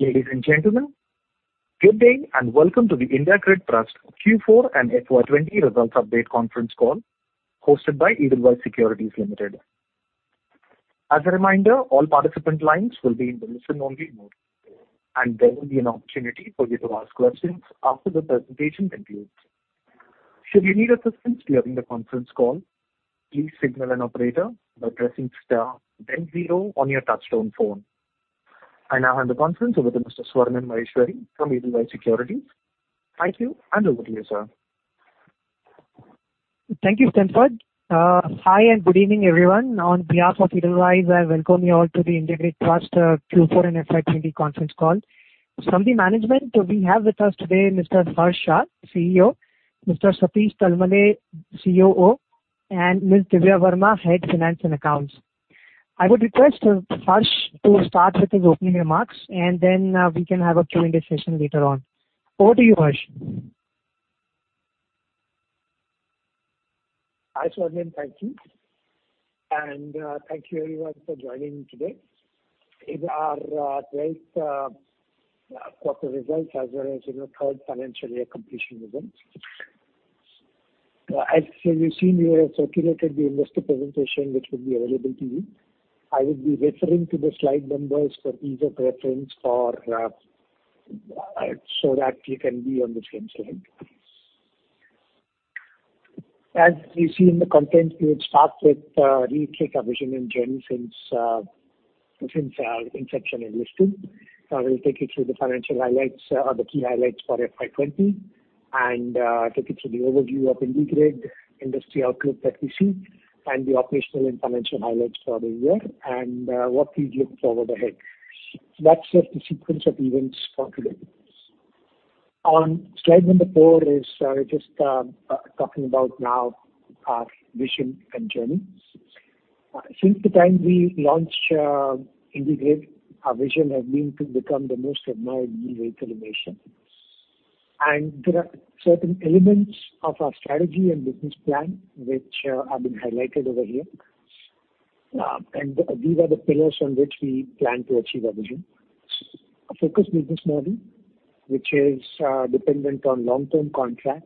Ladies and gentlemen, good day, welcome to the IndiGrid Trust Q4 and FY 2020 Results Update conference call hosted by Edelweiss Securities Limited. As a reminder, all participant lines will be in listen-only mode, there will be an opportunity for you to ask questions after the presentation concludes. Should you need assistance during the conference call, please signal an operator by pressing star then zero on your touchtone phone. I now hand the conference over to Mr. Swarnim Maheshwari from Edelweiss Securities. Thank you, over to you, sir. Thank you, Stanford. Hi, good evening, everyone. On behalf of Edelweiss, I welcome you all to the IndiGrid Trust Q4 and FY 2020 conference call. From the management, we have with us today Mr. Harsh Shah, CEO; Mr. Satish Talmale, COO, and Ms. Divya Verma, Head Finance and Accounts. I would request Harsh to start with his opening remarks, then we can have a Q&A session later on. Over to you, Harsh. Hi, Swarnim. Thank you. Thank you everyone for joining me today. These are our 12th quarter results as well as third financial year completion results. As you've seen, we have circulated the investor presentation, which will be available to you. I will be referring to the slide numbers for ease of reference so that we can be on the same slide. As you see in the content, we would start with a retake of our vision and journey since our inception and listing. I will take you through the financial highlights or the key highlights for FY 2020, and take you through the overview of IndiGrid industry outlook that we see and the operational and financial highlights for the year and what we look for ahead. That's just the sequence of events for today. On slide number four is just talking about now our vision and journey. Since the time we launched IndiGrid, our vision has been to become the most admired grid in the nation. There are certain elements of our strategy and business plan which have been highlighted over here. These are the pillars on which we plan to achieve our vision. A focused business model, which is dependent on long-term contract,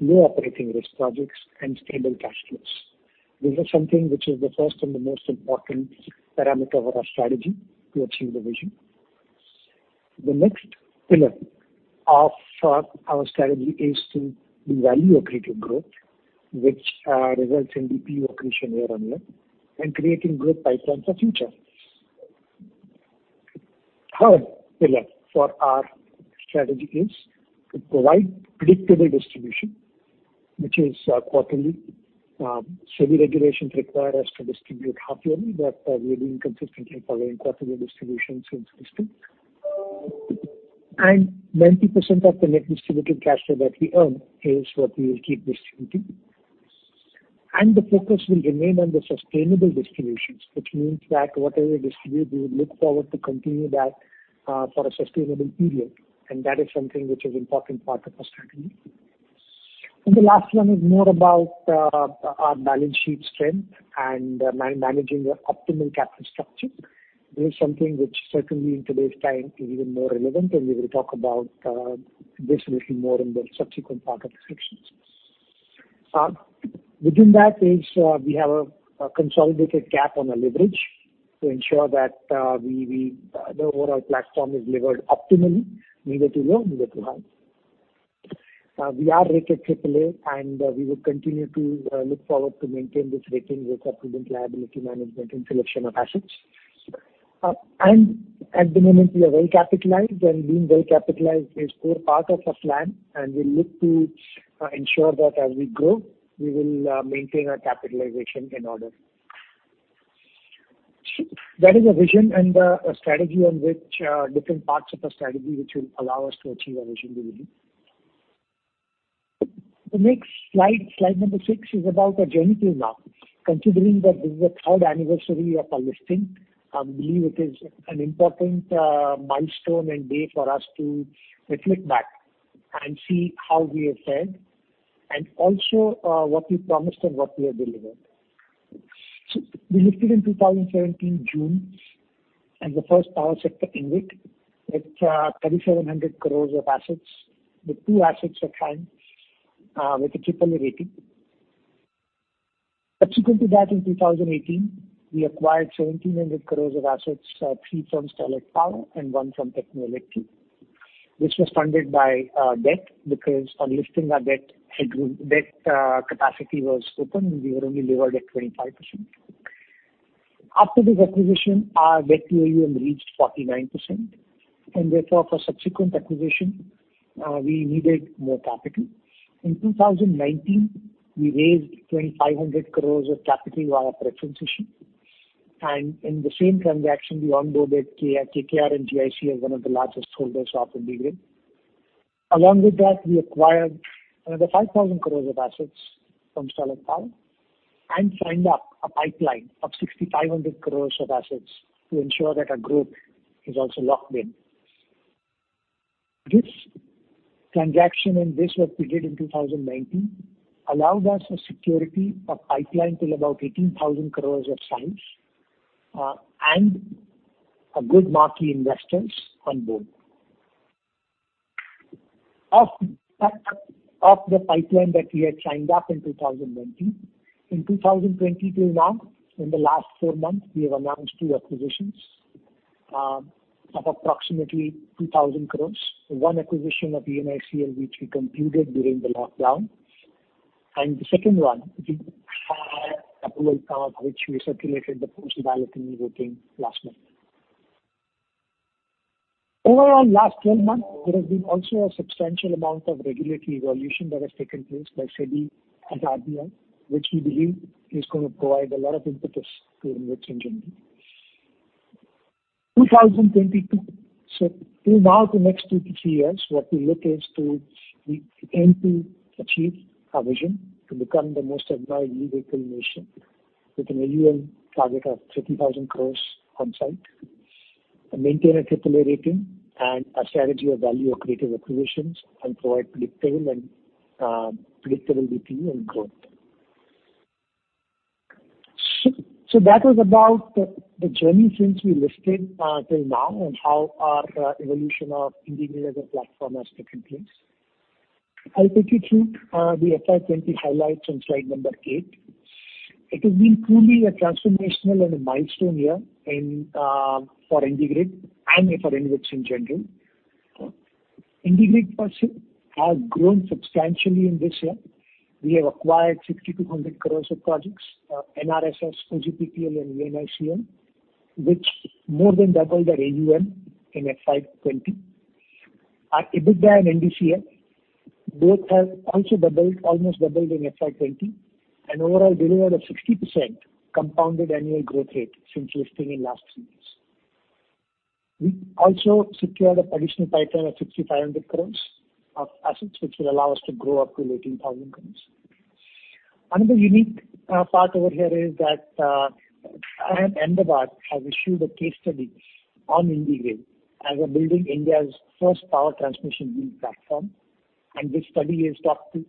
low operating risk projects, and stable cash flows. This is something which is the first and the most important parameter of our strategy to achieve the vision. The next pillar of our strategy is to do value accretive growth which results in DPU accretion year on year and creating growth pipelines for future. Third pillar for our strategy is to provide predictable distribution, which is quarterly. SEBI regulations require us to distribute half-yearly, but we've been consistently following quarterly distribution since listing. 90% of the Net Distributable Cash Flow that we earn is what we will keep distributing. The focus will remain on the sustainable distributions, which means that whatever we distribute, we would look forward to continue that for a sustainable period, and that is something which is important part of our strategy. The last one is more about our balance sheet strength and managing the optimal capital structure. This is something which certainly in today's time is even more relevant, and we will talk about this a little more in the subsequent part of the sections. Within that is we have a consolidated cap on the leverage to ensure that the overall platform is levered optimally, neither too low, neither too high. We are rated AAA, and we will continue to look forward to maintain this rating with our prudent liability management and selection of assets. At the moment, we are well capitalized, being well capitalized is core part of our plan, we look to ensure that as we grow, we will maintain our capitalization in order. That is a vision and a strategy on which different parts of our strategy which will allow us to achieve our vision we believe. The next slide number six, is about our journey till now. Considering that this is the third anniversary of our listing, I believe it is an important milestone and day for us to reflect back and see how we have fared, also what we promised and what we have delivered. We listed in 2017, June, as the first power sector InvIT with 3,700 crore of assets. With two assets of kind, with a AAA rating. Subsequent to that in 2018, we acquired 1,700 crore of assets, three from Sterlite Power and one from Techno Electric, which was funded by debt because on listing our debt capacity was open, and we were only levered at 25%. After this acquisition, our debt to AUM reached 49%. Therefore for subsequent acquisition, we needed more capital. In 2019, we raised 2,500 crore of capital via preference issue, and in the same transaction, we onboarded KKR and GIC as one of the largest holders of IndiGrid. Along with that, we acquired another 5,000 crore of assets from Sterlite Power and signed up a pipeline of 6,500 crore of assets to ensure that our group is also locked in. This transaction and this what we did in 2019 allowed us a security of pipeline till about INR 18,000 crore of size and good marquee investors on board. Of the pipeline that we had signed up in 2019, in 2020 till now, in the last four months, we have announced two acquisitions, of approximately 2,000 crores. One acquisition of ENICL, which we completed during the lockdown. The second one, we had approval of which we circulated the post-balloting voting last month. Overall, last 12 months, there has been also a substantial amount of regulatory evolution that has taken place by SEBI and RBI, which we believe is going to provide a lot of impetus to InvITs in general. Till now, the next two to three years, we aim to achieve our vision to become the most admired InvIT nation with an AUM target of 30,000 crores on site, and maintain a AAA rating and a strategy of value-accretive acquisitions and provide predictable DPU and growth. That was about the journey since we listed till now and how our evolution of IndiGrid as a platform has taken place. I'll take you through the FY 2020 highlights on slide 8. It has been truly a transformational and a milestone year for IndiGrid and for InvITs in general. IndiGrid Trust has grown substantially in this year. We have acquired 6,200 crore of projects, NRSS, OGPTL, and ENICL, which more than doubled our AUM in FY 2020. Our EBITDA and NDCF both have also almost doubled in FY 2020, an overall deliver of 60% compounded annual growth rate since listing in last FY. We also secured additional pipeline of 6,500 crore of assets, which will allow us to grow up to 18,000 crore. Another unique part over here is that IIM Ahmedabad has issued a case study on IndiGrid as we're building India's first power transmission InvIT platform. This study is taught to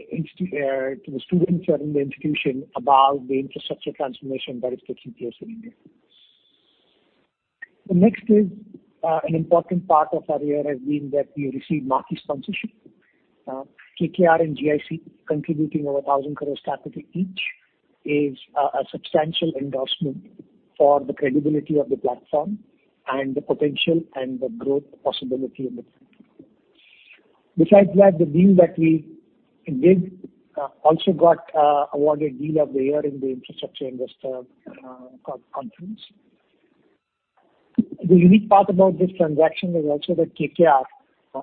the students who are in the institution about the infrastructure transformation that is taking place in India. The next is, an important part of our year has been that we received marquee sponsorship. KKR and GIC contributing over 1,000 crores capital each is a substantial endorsement for the credibility of the platform and the potential and the growth possibility in it. Besides that, the deal that we did also got awarded Deal of the Year in the Infrastructure Investor Conference. The unique part about this transaction is also that KKR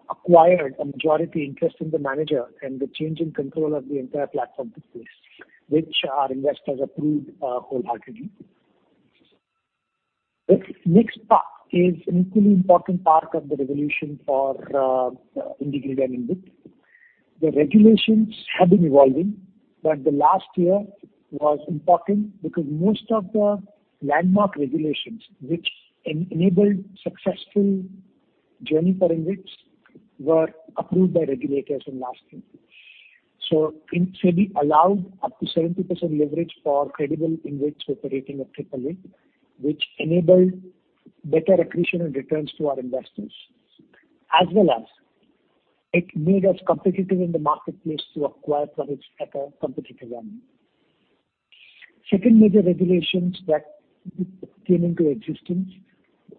acquired a majority interest in the manager and the change in control of the entire platform took place, which our investors approved wholeheartedly. Next part is an equally important part of the revolution for IndiGrid and InvIT. The regulations have been evolving, but the last year was important because most of the landmark regulations which enabled successful journey for InvITs were approved by regulators in last year. SEBI allowed up to 70% leverage for credible InvITs with a rating of AAA, which enabled better accretion and returns to our investors. As well as it made us competitive in the marketplace to acquire projects at a competitive value. Second major regulations that came into existence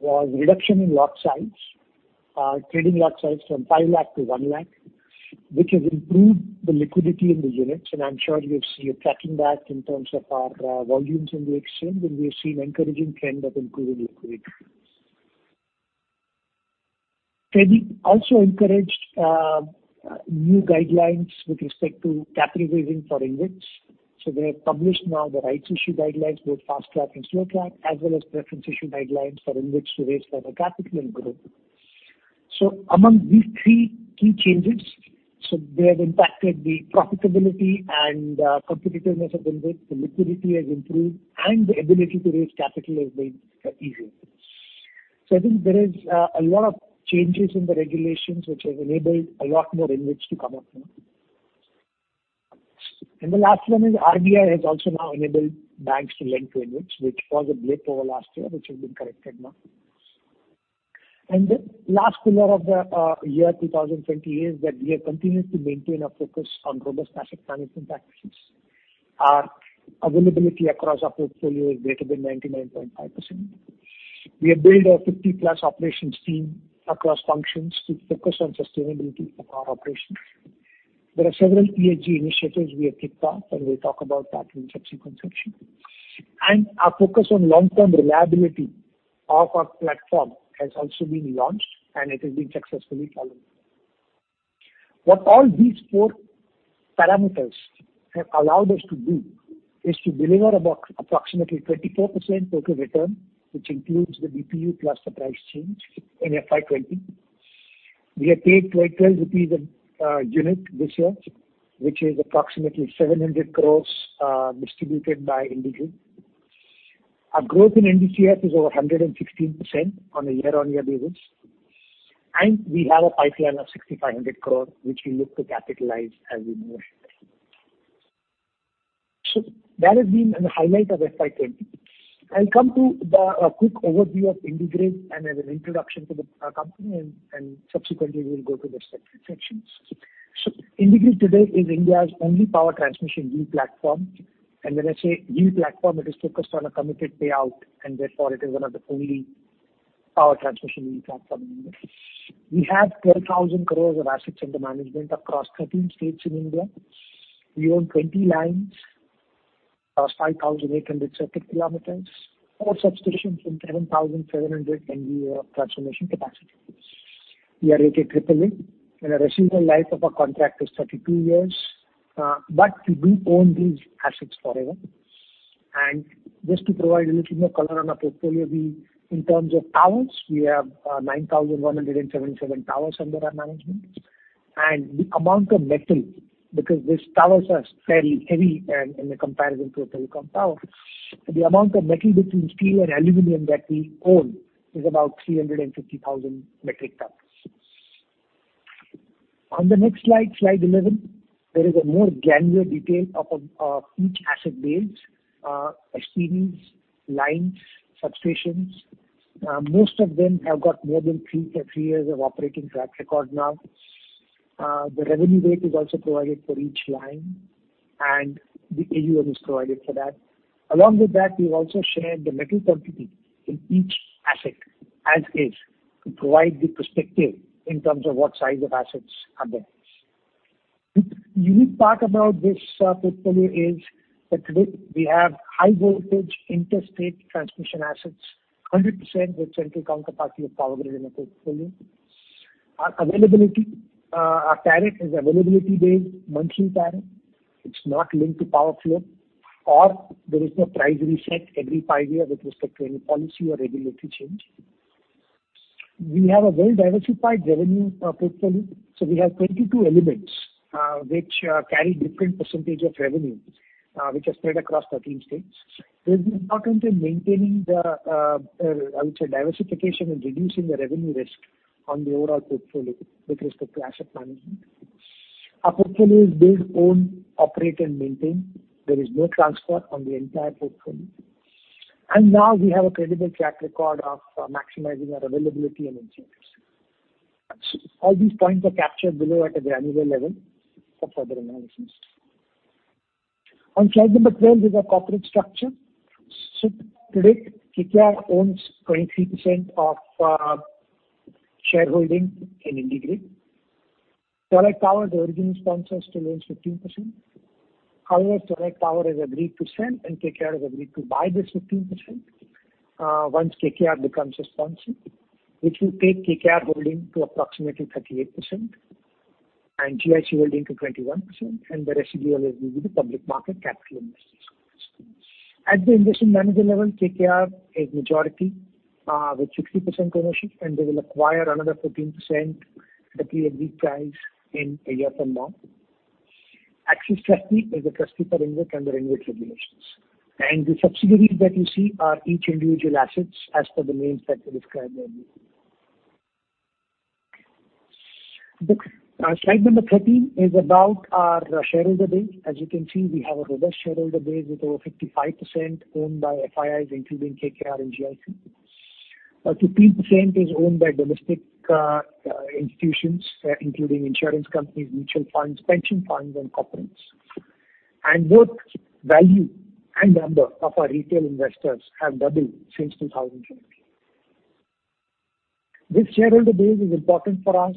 was reduction in lot size, trading lot size from 5 lakh to 1 lakh, which has improved the liquidity in the units, and I'm sure you're tracking that in terms of our volumes in the exchange, and we have seen encouraging trend of improved liquidity. SEBI also encouraged new guidelines with respect to capital raising for InvITs. They have published now the rights issue guidelines, both fast track and slow track, as well as preference issue guidelines for InvITs to raise further capital and grow. Among these three key changes, they have impacted the profitability and competitiveness of InvIT, the liquidity has improved and the ability to raise capital has been easier. I think there is a lot of changes in the regulations which has enabled a lot more InvITs to come up now. The last one is RBI has also now enabled banks to lend to InvITs, which was a blip over last year, which has been corrected now. The last pillar of the year 2020 is that we have continued to maintain our focus on robust asset management practices. Our availability across our portfolio is greater than 99.5%. We have built a 50+ operations team across functions to focus on sustainability of our operations. There are several ESG initiatives we have kicked off. We'll talk about that in subsequent section. Our focus on long-term reliability of our platform has also been launched, and it is being successfully followed. What all these four parameters have allowed us to do is to deliver about approximately 24% total return, which includes the DPU plus the price change in FY 2020. We have paid 12 rupees a unit this year, which is approximately 700 crores distributed by IndiGrid. Our growth in NDCF is over 116% on a year-on-year basis. We have a pipeline of 6,500 crore, which we look to capitalize as we move ahead. That has been an highlight of FY 2020. I'll come to the quick overview of IndiGrid as an introduction to the company, subsequently we'll go to the sections. IndiGrid today is India's only power transmission yield platform. When I say yield platform, it is focused on a committed payout and therefore it is one of the only power transmission yield platform in India. We have 12,000 crore of assets under management across 13 states in India. We own 20 lines plus 5,800 circuit kilometers. Four substations in 11,700 MVA of transformation capacity. We are rated AAA, the residual life of our contract is 32 years. We do own these assets forever. Just to provide a little more color on our portfolio, in terms of towers, we have 9,177 towers under our management. The amount of metal, because these towers are fairly heavy in the comparison to a telecom tower, the amount of metal between steel and aluminum that we own is about 350,000 metric tons. On the next slide 11, there is a more granular detail of each asset base, SPVs, lines, substations. Most of them have got more than three years of operating track record now. The revenue rate is also provided for each line, and the AUM is provided for that. Along with that, we've also shared the metal quantity in each asset as is to provide the perspective in terms of what size of assets are there. The unique part about this portfolio is that today we have high voltage interstate transmission assets, 100% with central counterparty of Power Grid in the portfolio. Our tariff is availability based, monthly tariff. It's not linked to power flow. There is no price reset every five years with respect to any policy or regulatory change. We have a well-diversified revenue portfolio. We have 22 elements, which carry different percentage of revenue, which are spread across 13 states. There's an importance in maintaining the, I would say, diversification and reducing the revenue risk on the overall portfolio with respect to asset management. Our portfolio is Build-Own-Operate-Maintain. There is no transfer on the entire portfolio. Now we have a credible track record of maximizing our availability and engineering. All these points are captured below at a granular level for further analysis. On slide number 12 is our corporate structure. Today, KKR owns 23% of shareholding in IndiGrid. Sterlite Power, the original sponsors, still owns 15%. However, Sterlite Power has agreed to sell and KKR has agreed to buy this 15% once KKR becomes a sponsor, which will take KKR holding to approximately 38% and GIC holding to 21%, and the residual will be the public market capital investors. At the investment manager level, KKR is majority, with 60% ownership, and they will acquire another 14% at a yet agreed price in a year from now. Axis Trustee is a trustee for InvIT under InvIT Regulations. The subsidiaries that you see are each individual assets as per the names that we described earlier. Slide number 13 is about our shareholder base. As you can see, we have a robust shareholder base with over 55% owned by FIIs, including KKR and GIC. 15% is owned by domestic institutions, including insurance companies, mutual funds, pension funds, and corporates. Both value and number of our retail investors have doubled since 2020. This shareholder base is important for us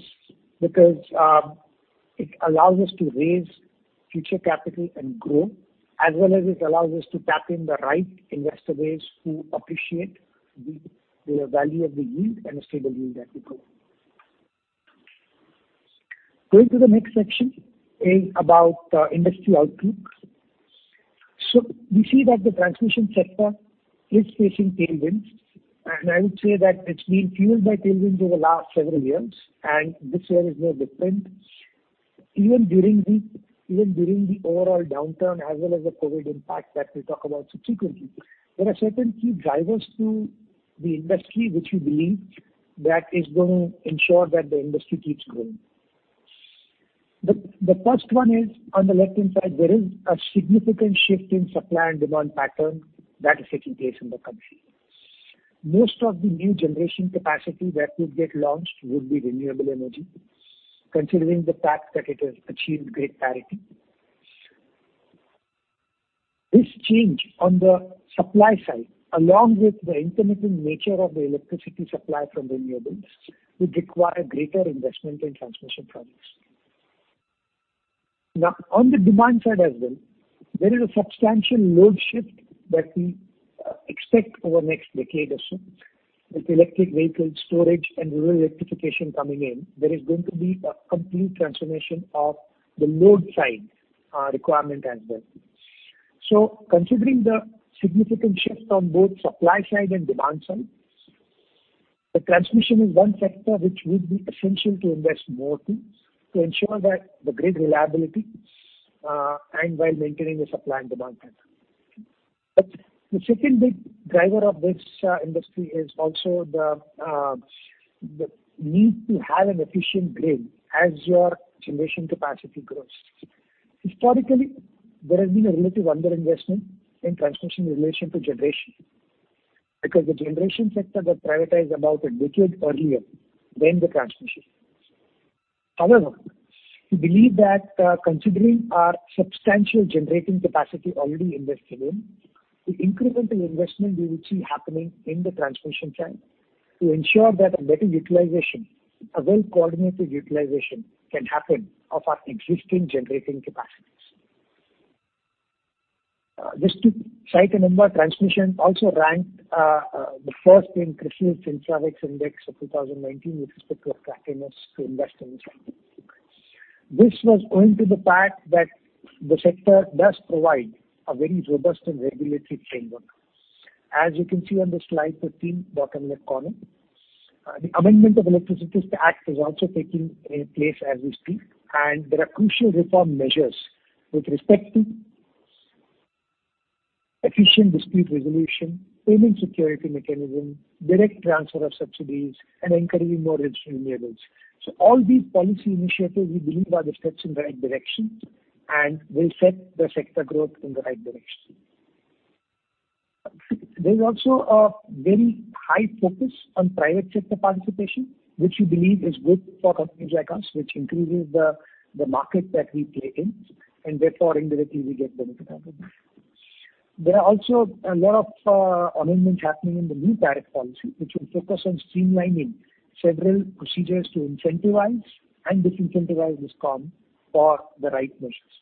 because it allows us to raise future capital and grow, as well as it allows us to tap in the right investor base who appreciate the value of the yield and the stable yield that we grow. Going to the next section is about industry outlook. We see that the transmission sector is facing tailwinds, and I would say that it's been fueled by tailwinds over the last several years, and this year is no different. Even during the overall downturn as well as the COVID impact that we talk about subsequently, there are certain key drivers to the industry which we believe that is going to ensure that the industry keeps growing. The first one is on the left-hand side. There is a significant shift in supply and demand pattern that is taking place in the country. Most of the new generation capacity that could get launched would be renewable energy, considering the fact that it has achieved grid parity. This change on the supply side, along with the intermittent nature of the electricity supply from renewables, would require greater investment in transmission projects. On the demand side as well, there is a substantial load shift that we expect over next decade or so. With electric vehicle storage and rural electrification coming in, there is going to be a complete transformation of the load side requirement as well. Considering the significant shift on both supply side and demand side. The transmission is one sector which would be essential to invest more to ensure that the grid reliability, and while maintaining the supply and demand pattern. The second big driver of this industry is also the need to have an efficient grid as your generation capacity grows. Historically, there has been a relative underinvestment in transmission in relation to generation, because the generation sector got prioritized about a decade earlier than the transmission. We believe that considering our substantial generating capacity already invested in, the incremental investment we would see happening in the transmission side to ensure that a better utilization, a well-coordinated utilization can happen of our existing generating capacities. To cite a number, transmission also ranked the first in CRISIL's InfraInvex Index of 2019 with respect to attractiveness to invest in this sector. This was owing to the fact that the sector does provide a very robust and regulatory framework. As you can see on the slide 15, bottom left corner. The amendment of Electricity Act is also taking place as we speak, and there are crucial reform measures with respect to efficient dispute resolution, payment security mechanism, direct transfer of subsidies, and encouraging more retail renewables. All these policy initiatives, we believe, are the steps in the right direction and will set the sector growth in the right direction. There's also a very high focus on private sector participation, which we believe is good for companies like us, which increases the market that we play in, and therefore indirectly we get benefited out of that. There are also a lot of amendments happening in the new tariff policy, which will focus on streamlining several procedures to incentivize and disincentivize DISCOM for the right measures.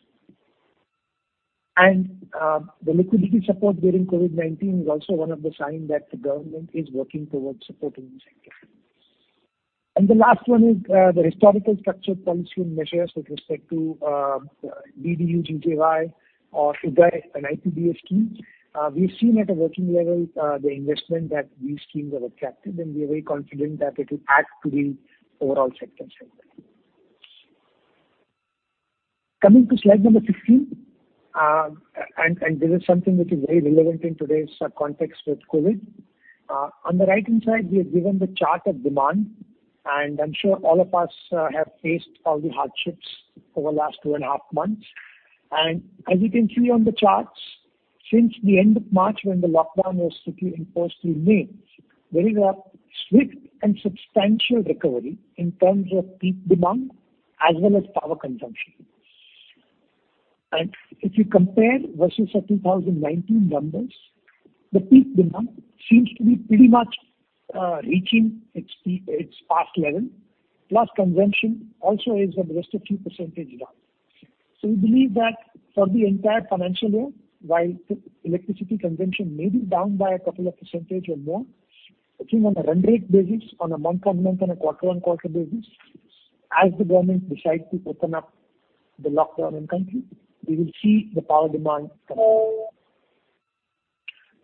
The liquidity support during COVID-19 is also one of the sign that the government is working towards supporting this sector. The last one is the historical structural policy measures with respect to DDUGJY or UDAY and IPDS schemes. We've seen at a working level the investment that these schemes have attracted, and we are very confident that it will add to the overall sector strength. Coming to slide number 16, this is something which is very relevant in today's context with COVID. On the right-hand side, we have given the chart of demand, and I'm sure all of us have faced all the hardships over the last two and a half months. As you can see on the charts, since the end of March when the lockdown was strictly enforced till May, there is a swift and substantial recovery in terms of peak demand as well as power consumption. If you compare versus the 2019 numbers, the peak demand seems to be pretty much reaching its past level, plus consumption also is at less a few percentage down. We believe that for the entire financial year, while electricity consumption may be down by a couple of percentage or more, between on a run rate basis, on a month-on-month and a quarter-on-quarter basis, as the government decides to open up the lockdown in country, we will see the power demand coming up.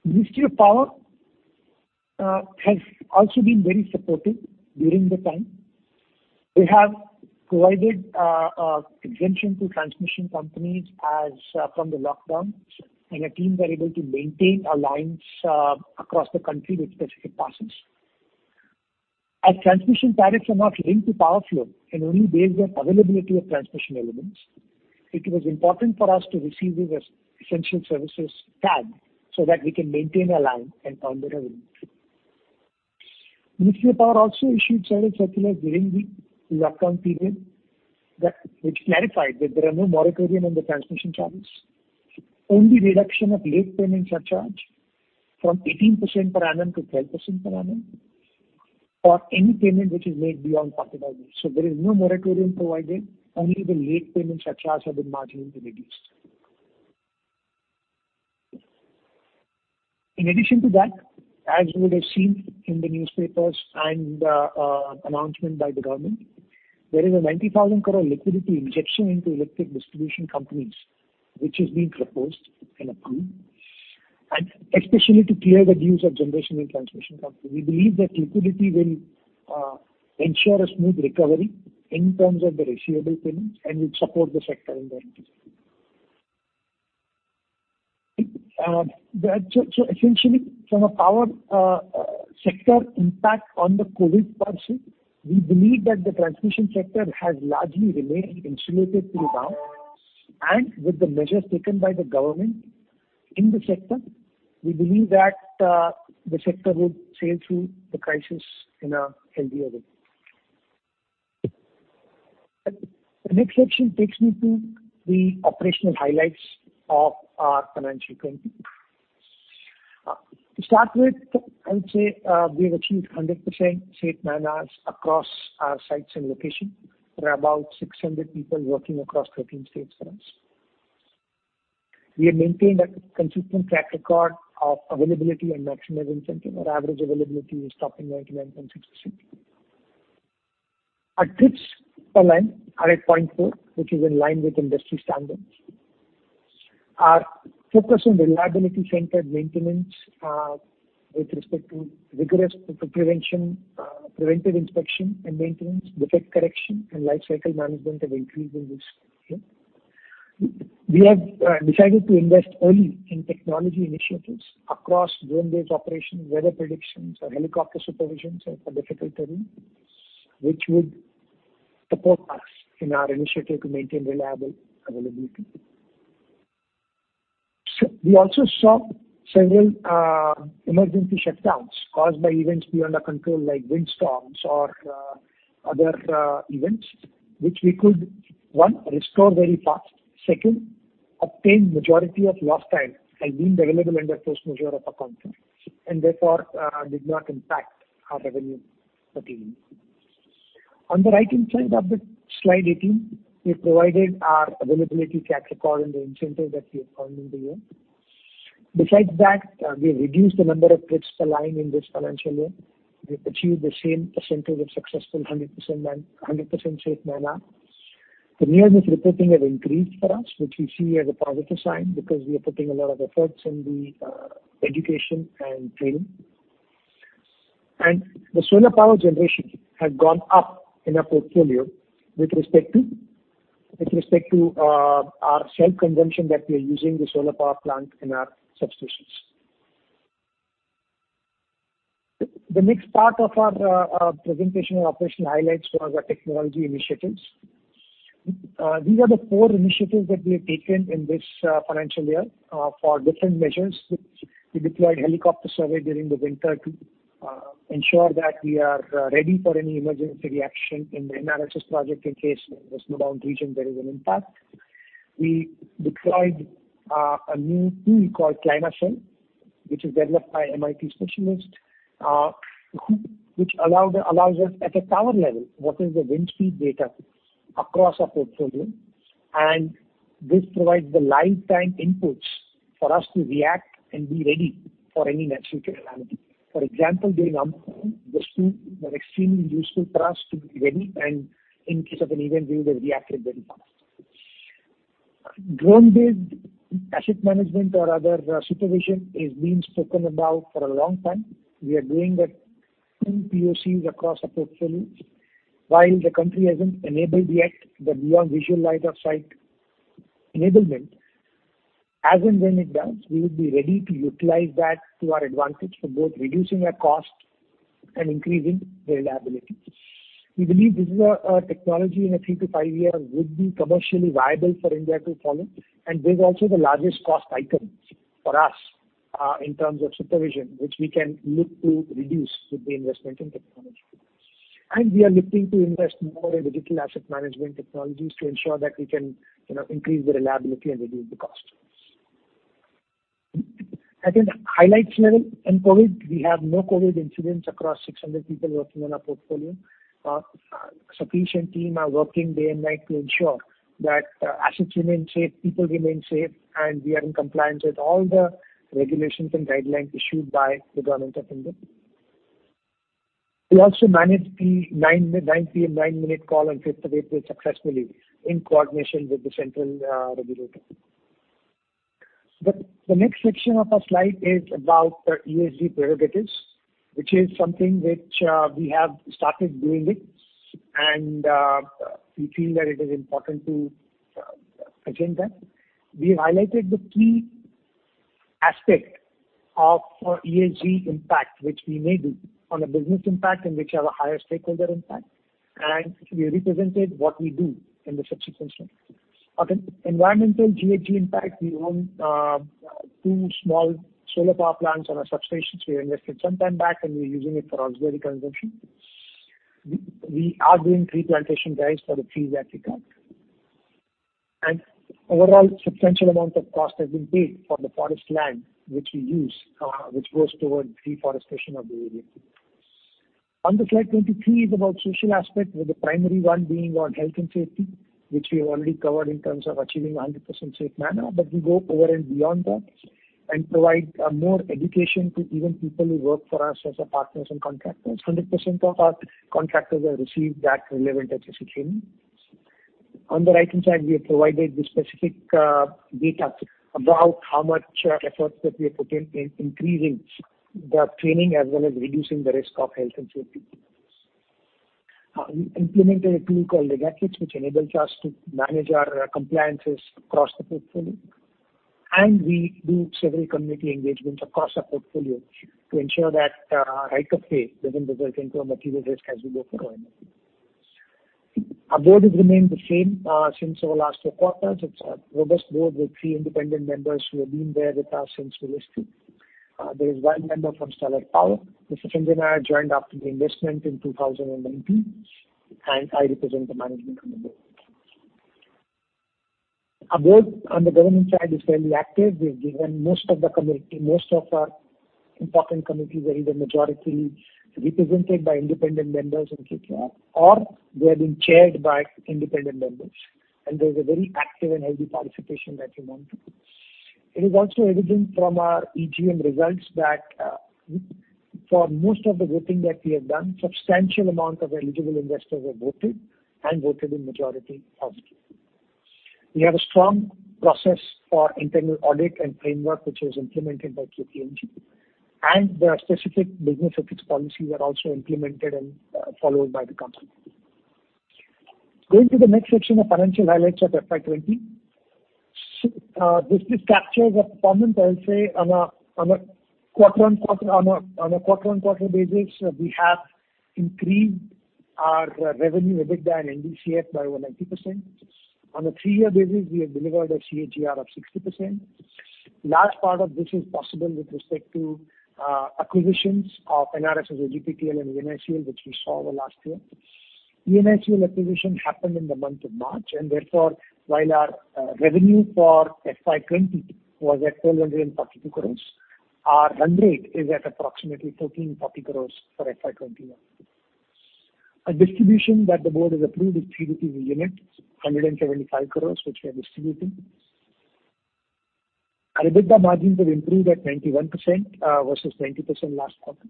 Ministry of Power has also been very supportive during the time. They have provided exemption to transmission companies as from the lockdown, and our teams were able to maintain our lines across the country with specific passes. As transmission tariffs are not linked to power flow and only based on availability of transmission elements, it was important for us to receive this as essential services tag so that we can maintain our line and earn our revenue. Ministry of Power also issued certain circulars during the lockdown period which clarified that there are no moratorium on the transmission charges. Only reduction of late payment surcharge from 18% per annum to 12% per annum for any payment which is made beyond 30 days. There is no moratorium provided, only the late payment surcharge have been marginally reduced. In addition to that, as you would have seen in the newspapers and announcement by the government, there is a 90,000 crore liquidity injection into electric distribution companies, which is being proposed and approved, and especially to clear the dues of generation and transmission company. We believe that liquidity will ensure a smooth recovery in terms of the receivable payments and will support the sector in the recovery. Essentially from a power sector impact on the COVID policy, we believe that the transmission sector has largely remained insulated till now. With the measures taken by the government in the sector, we believe that the sector would sail through the crisis in a healthier way. The next section takes me to the operational highlights of our financial 20. To start with, I would say we have achieved 100% safe man-hours across our sites and location. There are about 600 people working across 13 states for us. We have maintained a consistent track record of availability and maximum incentive. Our average availability is topping 99.66. Our trips per line are at 0.4, which is in line with industry standards. Our focus on reliability-centered maintenance with respect to rigorous preventive inspection and maintenance, defect correction, and life cycle management have increased in this year. We have decided to invest only in technology initiatives across drone-based operations, weather predictions, or helicopter supervisions for difficult terrains, which would support us in our initiative to maintain reliable availability. We also saw several emergency shutdowns caused by events beyond our control, like windstorms or other events, which we could, one, restore very fast. Second, obtain majority of lost time as being available under first measure of our contract, did not impact our revenue materially. On the right-hand side of slide 18, we provided our availability track record and the incentives that we have earned in the year. Besides that, we reduced the number of trips per line in this financial year. We achieved the same percentage of successful 100% safe man-hour. The near-miss reporting have increased for us, which we see as a positive sign because we are putting a lot of efforts in the education and training. The solar power generation has gone up in our portfolio with respect to our self-consumption that we are using the solar power plant in our substations. The next part of our presentation on operational highlights was our technology initiatives. These are the four initiatives that we have taken in this financial year for different measures, which we deployed helicopter survey during the winter to ensure that we are ready for any emergency action in the NRSS project in case the snow-bound region there is an impact. We deployed a new tool called ClimaCell, which is developed by MIT specialist, which allows us at a tower level, what is the wind speed data across our portfolio. This provides the live-time inputs for us to react and be ready for any natural calamity. For example, during Amphan, this tool was extremely useful for us to be ready, and in case of an event, we would have reacted very fast. Drone-based asset management or other supervision is being spoken about for a long time. We are doing that in POCs across our portfolio. While the country hasn't enabled yet the beyond visual line of sight enablement, as and when it does, we would be ready to utilize that to our advantage for both reducing our cost and increasing reliability. We believe this is a technology in a three to five years would be commercially viable for India to follow. There's also the largest cost item for us, in terms of supervision, which we can look to reduce with the investment in technology. We are looking to invest more in digital asset management technologies to ensure that we can increase the reliability and reduce the cost. At a highlights level in COVID, we have no COVID incidents across 600 people working on our portfolio. Sufficient team are working day and night to ensure that assets remain safe, people remain safe, and we are in compliance with all the regulations and guidelines issued by the Government of India. We also managed the 9:00 P.M., nine-minute call on 5th of April successfully in coordination with the central regulator. The next section of our slide is about ESG prerogatives, which is something which we have started doing it, and we feel that it is important to mention that. We highlighted the key aspect of ESG impact, which we made on a business impact and which have a higher stakeholder impact. We represented what we do in the subsequent slide. On the environmental GHG impact, we own two small solar power plants on our substations. We invested some time back, and we're using it for auxiliary consumption. We are doing tree plantation guys for the trees that we cut. Overall, substantial amount of cost has been paid for the forest land which we use, which goes toward deforestation of the area. On the slide 23 is about social aspect, with the primary one being on health and safety, which we have already covered in terms of achieving 100% safe man-hour. We go over and beyond that and provide more education to even people who work for us as our partners and contractors. 100% of our contractors have received that relevant HSE training. On the right-hand side, we have provided the specific data about how much efforts that we have put in increasing the training as well as reducing the risk of health and safety. We implemented a tool called Legatrix, which enables us to manage our compliances across the portfolio. We do several community engagements across our portfolio to ensure that right of way doesn't result into a material risk as we go forward. Our board has remained the same since our last four quarters. It's a robust board with three independent members who have been there with us since we listed. There is one member from Sterlite Power. Mr. Sanjay Nayar joined after the investment in 2019, and I represent the management on the board. Our board on the governance side is fairly active. We've given most of our important committees where either majority represented by independent members, et cetera, or they have been chaired by independent members. There's a very active and healthy participation that we want to put. It is also evident from our EGM results that for most of the voting that we have done, substantial amount of eligible investors have voted, and voted in majority positive. We have a strong process for internal audit and framework, which was implemented by KPMG. There are specific business ethics policies that are also implemented and followed by the company. Going to the next section of financial highlights of FY 2020. This just captures up to moment, I will say on a quarter-on-quarter basis, we have increased our revenue, EBITDA and NDCF by over 90%. On a three-year basis, we have delivered a CAGR of 60%. Large part of this is possible with respect to acquisitions of NRSS, GPTL, and ENICL, which we saw over last year. ENICL acquisition happened in the month of March. Therefore, while our revenue for FY 2020 was at 1,232 crore, our run rate is at approximately 1,330 crore for FY 2021. A distribution that the board has approved is 3 rupees per unit, 175 crore, which we are distributing. Our EBITDA margins have improved at 91% versus 90% last quarter.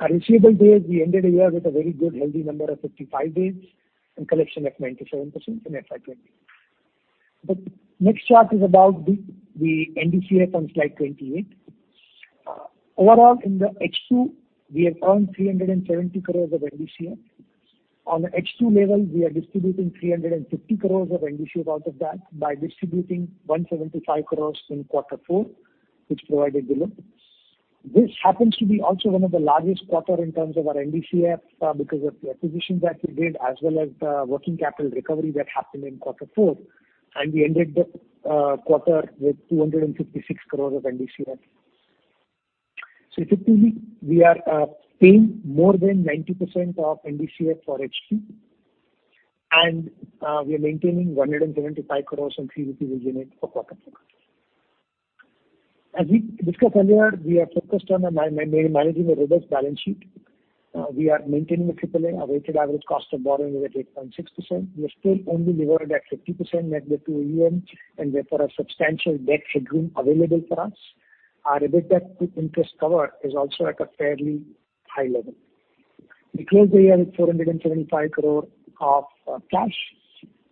Our receivable days, we ended the year with a very good, healthy number of 55 days, and collection at 97% in FY 2020. The next chart is about the NDCF on slide 28. Overall, in the H2, we have earned 370 crore of NDCF. On the H2 level, we are distributing 350 crore of NDCF out of that by distributing 175 crore in quarter four, which provided the lift. This happens to be also one of the largest quarters in terms of our NDCF, because of the acquisitions that we did, as well as the working capital recovery that happened in quarter four. We ended the quarter with 256 crores of NDCF. Effectively, we are paying more than 90% of NDCF for H2, and we are maintaining 175 crores and 3 rupees per unit for quarter four. As we discussed earlier, we are focused on managing a robust balance sheet. We are maintaining a AAA. Our weighted average cost of borrowing is at 8.6%. We are still only borrowed at 50% net debt to AUM, and therefore a substantial debt headroom available for us. Our EBITDA to interest cover is also at a fairly high level. We closed the year with 475 crore of cash,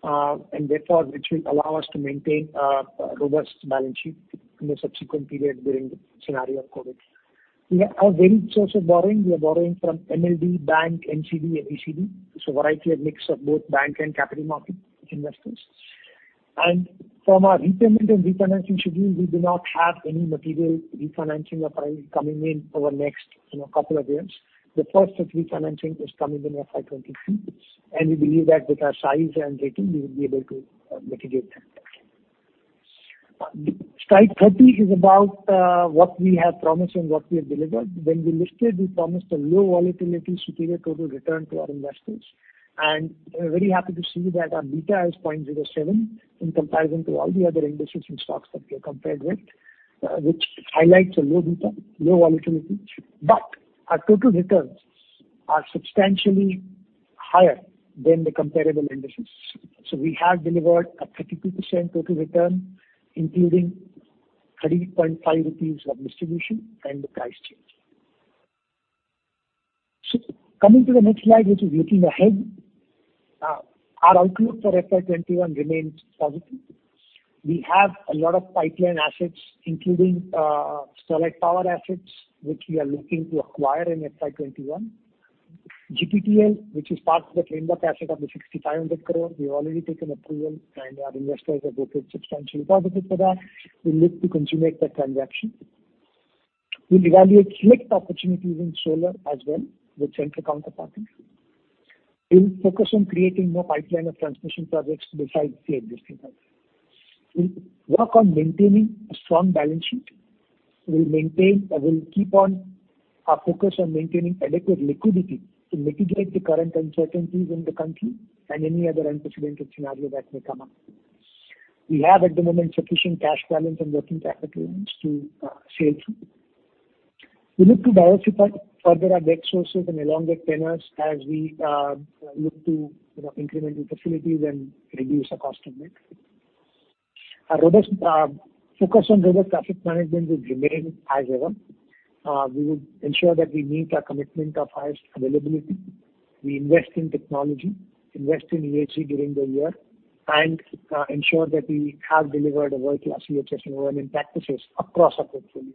which will allow us to maintain a robust balance sheet in the subsequent period during the scenario of COVID. We have a varied source of borrowing. We are borrowing from NLD, bank, NCD, and ECB. A variety of mix of both bank and capital market investors. From our repayment and refinancing schedule, we do not have any material refinancing coming in over next couple of years. The first of refinancing is coming in FY 2022. We believe that with our size and rating, we will be able to mitigate that. Slide 30 is about what we have promised and what we have delivered. When we listed, we promised a low volatility, superior total return to our investors. We're very happy to see that our beta is 0.07 in comparison to all the other indices and stocks that we are compared with, which highlights a low beta, low volatility. Our total returns are substantially higher than the comparable indices. We have delivered a 32% total return, including 30.5 rupees of distribution and the price change. Coming to the next slide, which is looking ahead. Our outlook for FY 2021 remains positive. We have a lot of pipeline assets, including select power assets, which we are looking to acquire in FY 2021. GPTL, which is part of the claimed asset of the 6,500 crore. We've already taken approval, and our investors have voted substantially positive for that. We look to consummate that transaction. We'll evaluate select opportunities in solar as well with central counterparties. We'll focus on creating more pipeline of transmission projects besides the existing ones. We'll work on maintaining a strong balance sheet. We'll keep on our focus on maintaining adequate liquidity to mitigate the current uncertainties in the country and any other unprecedented scenario that may come up. We have at the moment sufficient cash balance and working capital to sail through. We look to diversify further our debt sources and elongate tenors as we look to incremental facilities and reduce the cost of debt. Our focus on robust asset management will remain as ever. We would ensure that we meet our commitment of highest availability. We invest in technology, invest in EHS during the year, and ensure that we have delivered a world-class EHS environment practices across our portfolio.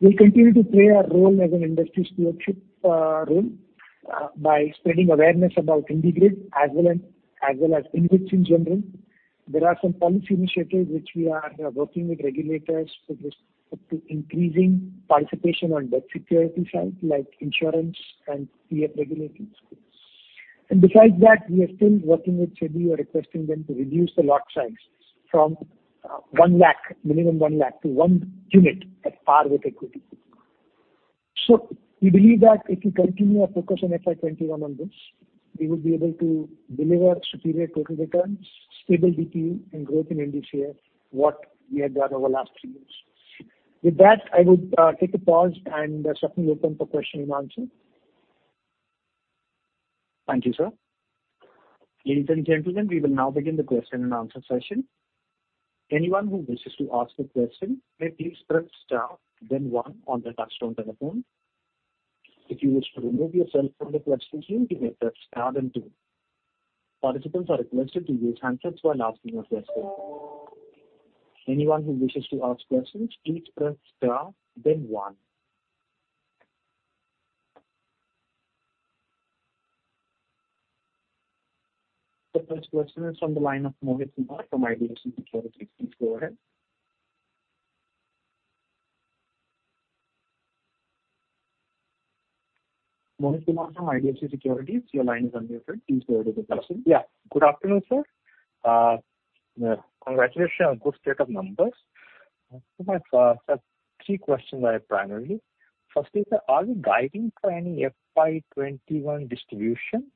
We'll continue to play our role as an industry stewardship role by spreading awareness about IndiGrid as well as InvITs in general. There are some policy initiatives which we are working with regulators for increasing participation on debt security side, like insurance and PF regulations. Besides that, we are still working with SEBI. We're requesting them to reduce the lot size from minimum 1 lakh to one unit at par with equity. We believe that if we continue our focus on FY 2021 on this, we would be able to deliver superior total returns, stable DPU, and growth in NDCF, what we have done over last three years. With that, I would take a pause and certainly open for question and answer. Thank you, sir. Ladies and gentlemen, we will now begin the question and answer session. Anyone who wishes to ask a question may please press star then one on their touchtone telephone. If you wish to remove yourself from the question queue, you may press star then two. Participants are requested to use handsets while asking a question. Anyone who wishes to ask questions, please press star then one. The first question is on the line of Mohit Kumar from IDFC Securities. Please go ahead. Mohit Kumar from IDFC Securities, your line is unmuted. Please go ahead with the question. Yeah. Good afternoon, sir. Congratulations. Good set of numbers. Sir, three questions I have primarily. Firstly, sir, are you guiding for any FY 2021 distribution?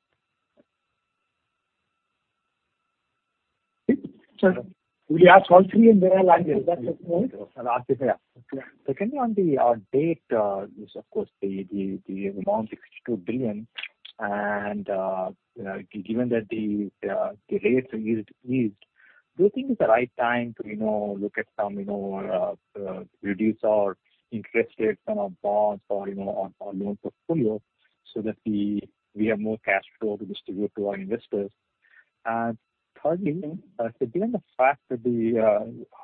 Sir, will you ask all three and then I'll answer. Is that okay with you? I'll ask, yes. Yeah. Secondly, on the debt, which of course the amount is 62 billion, and given that the rates are yet to ease, do you think it's the right time to look at some reduce our interest rates on our bonds or on our loan portfolio so that we have more cash flow to distribute to our investors? Thirdly, given the fact that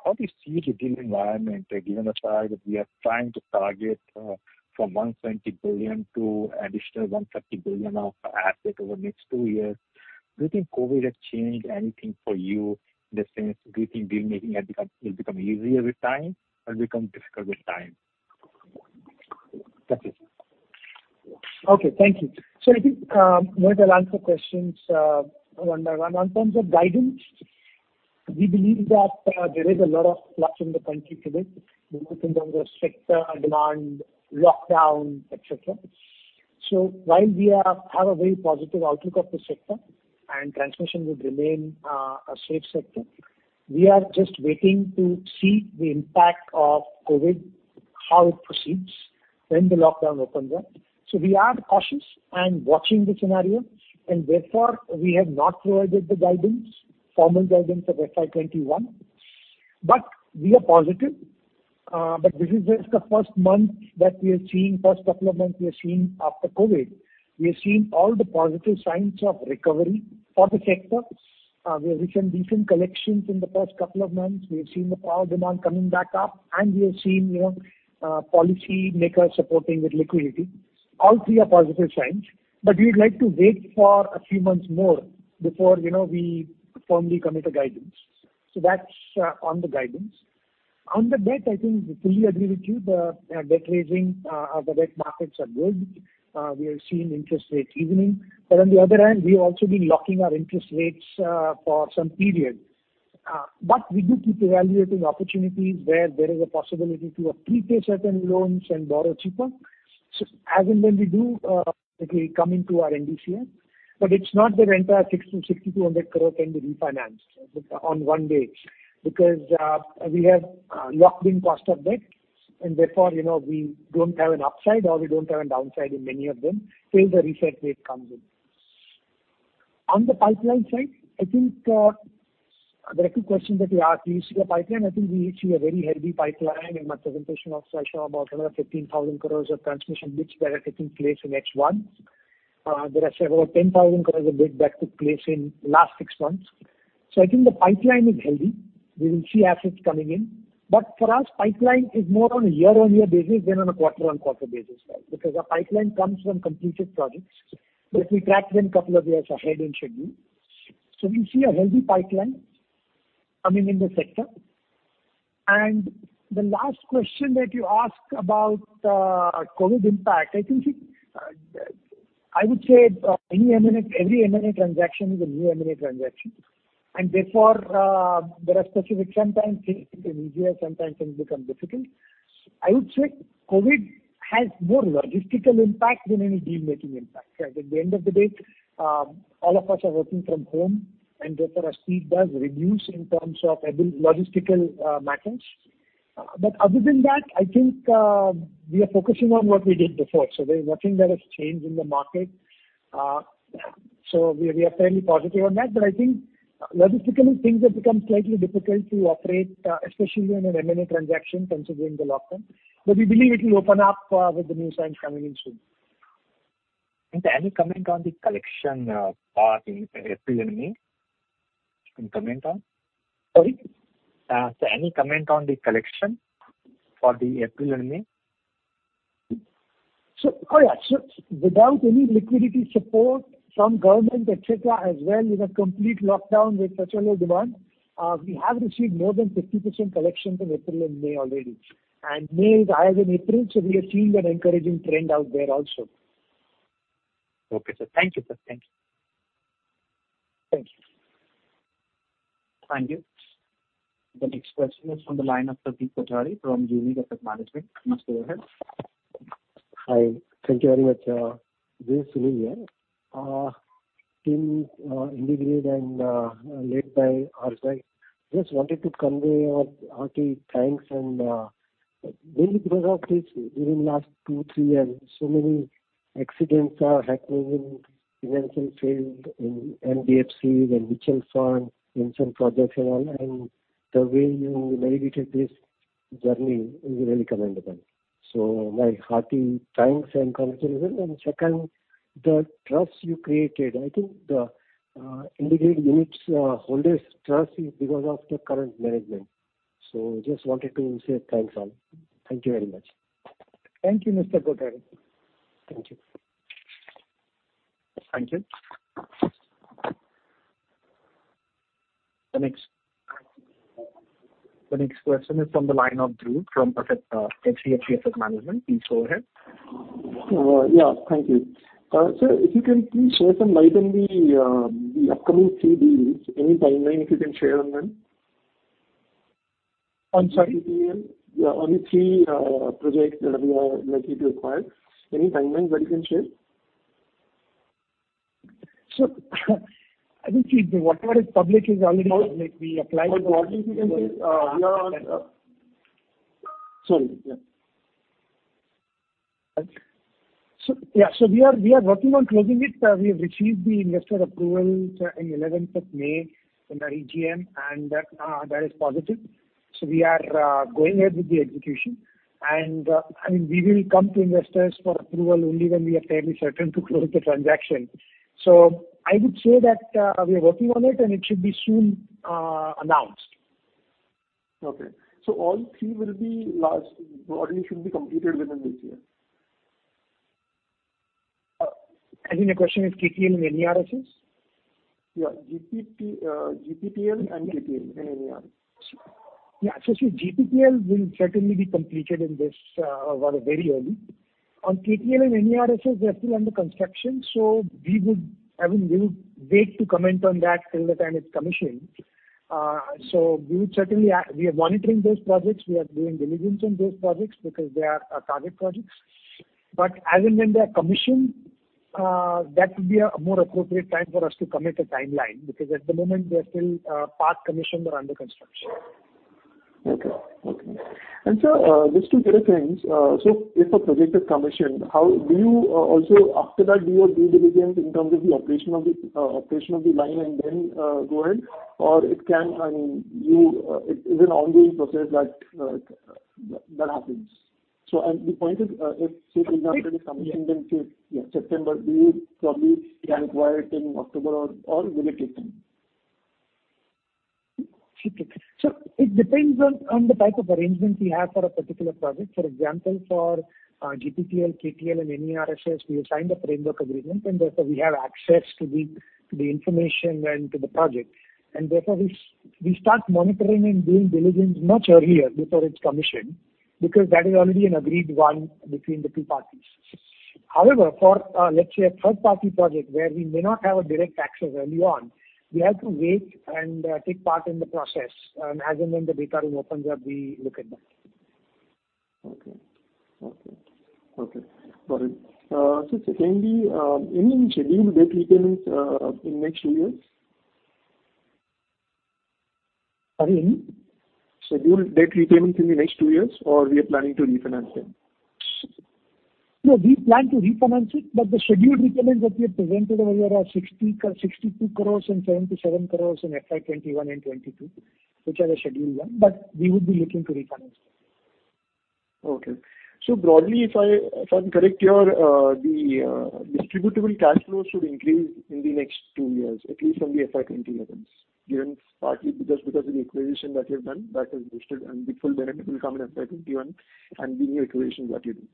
How do you see the deal environment, given the fact that we are trying to target from 120 billion to additional 150 billion of assets over the next two years? Do you think COVID had changed anything for you, in the sense, do you think deal making will become easier with time or become difficult with time? That's it. Okay. Thank you. I think, Mohit, I'll answer questions one by one. On terms of guidance, we believe that there is a lot of flux in the country today, both in terms of sector demand, lockdown, et cetera. While we have a very positive outlook of the sector and transmission would remain a safe sector, we are just waiting to see the impact of COVID, how it proceeds when the lockdown opens up. We are cautious and watching the scenario, and therefore we have not provided the formal guidance of FY 2021. We are positive. This is just the first month that we are seeing, first couple of months we are seeing after COVID. We are seeing all the positive signs of recovery for the sector. We have seen decent collections in the first couple of months. We have seen the power demand coming back up, and we have seen policymakers supporting with liquidity. All three are positive signs, but we would like to wait for a few months more before we firmly commit a guidance. That's on the guidance. On the debt, I think I fully agree with you. The debt markets are good. We are seeing interest rates evening. On the other hand, we have also been locking our interest rates for some period. We do keep evaluating opportunities where there is a possibility to prepay certain loans and borrow cheaper as and when we do, it will come into our NDCF. It's not that entire INR- 6,200 crores can be refinanced on one day. We have locked in cost of debt, therefore we don't have an upside or we don't have a downside in many of them till the reset rate comes in. On the pipeline side, I think there are two questions that you asked. Do you see a pipeline? I think we see a very healthy pipeline. In my presentation also, I show about another 15,000 crores of transmission bids that are taking place in H1. There are several 10,000 crores of bids that took place in last six months. I think the pipeline is healthy. We will see assets coming in. For us, pipeline is more on a year-on-year basis than on a quarter-on-quarter basis. Our pipeline comes from completed projects, but we track them couple of years ahead in schedule. We see a healthy pipeline coming in the sector. The last question that you asked about COVID impact, I would say every M&A transaction is a new M&A transaction, and therefore there are specific sometimes things become easier, sometimes things become difficult. I would say COVID has more logistical impact than any deal making impact. At the end of the day, all of us are working from home, and therefore our speed does reduce in terms of logistical matters. Other than that, I think we are focusing on what we did before. There is nothing that has changed in the market. We are fairly positive on that. I think logistically, things have become slightly difficult to operate, especially on an M&A transaction considering the lockdown. We believe it will open up with the new signs coming in soon. Any comment on the collection part in April and May? Sorry? Sir, any comment on the collection for the April and May? Oh, yeah. Without any liquidity support from government, et cetera, as well with a complete lockdown with such low demand, we have received more than 50% collections in April and May already. May is higher than April, we are seeing an encouraging trend out there also. Okay, sir. Thank you, sir. Thank you. Thank you. Thank you. The next question is from the line of Saptak Patari from JV Capital Management. Please go ahead. Hi. Thank you very much. This New Year, Team IndiGrid and led by Sai just wanted to convey our hearty thanks and Mainly because of this, during last two, three years, so many accidents are happening in financial field, in NBFCs and mutual funds, in some projects and all. The way you navigated this journey is really commendable. My hearty thanks and congratulations. Second, the trust you created. I think the IndiGrid Units Holders Trust is because of the current management. Just wanted to say thanks a lot. Thank you very much. Thank you, Mr. Patari. Thank you. Thank you. The next question is from the line of Dhruv from HDFC Asset Management. Please go ahead. Yeah. Thank you. Sir, if you can please shed some light on the upcoming three deals. Any timeline if you can share on them? I'm sorry? Yeah. On the three projects that we are looking to acquire, any timeline that you can share? Sir, I think whatever is public is already public. We applied... what we can do, we are Sorry. Yeah. Yeah, we are working on closing it. We have received the investor approval in 11th of May from the EGM, and that is positive. We are going ahead with the execution. We will come to investors for approval only when we are fairly certain to close the transaction. I would say that we are working on it, and it should be soon announced. Okay. All three will be completed within this year? I think the question is KTL and NRSS? Yeah. GPTL and KTL and NRSS. See, GPTL will certainly be completed very early. On KTL and NRSS, they are still under construction. We would wait to comment on that till the time it is commissioned. We are monitoring those projects. We are doing diligence on those projects because they are our target projects. As and when they are commissioned, that would be a more appropriate time for us to commit a timeline, because at the moment they are still part commissioned or under construction. Okay. Sir, just to clarify, if a project is commissioned, after that, do you do due diligence in terms of the operation of the line and then go ahead? It is an ongoing process that happens. The point is, if, say, for example, it's commissioned in, say, September, we would probably can acquire it in October or will it take time? Sir, it depends on the type of arrangement we have for a particular project. For example, for GPTL, KTL and NRSS, we have signed a framework agreement, therefore, we have access to the information and to the project. Therefore, we start monitoring and doing diligence much earlier before it's commissioned, because that is already an agreed one between the two parties. However, for, let's say, a third-party project where we may not have a direct access early on, we have to wait and take part in the process, and as and when the data room opens up, we look at that. Okay. Got it. Sir, are there any scheduled debt repayments in next two years? Pardon me. Scheduled debt repayments in the next two years, or we are planning to refinance them? We plan to refinance it, but the scheduled repayments that we have presented over here are 62 crores and 77 crores in FY 2021 and FY 2022, which are the scheduled ones, but we would be looking to refinance them. Okay. Broadly, if I'm correct here, the distributable cash flows should increase in the next two years, at least from the FY 2021s. Partly just because of the acquisition that you have done that has boosted and the full benefit will come in FY 2021, and the new acquisitions that you do.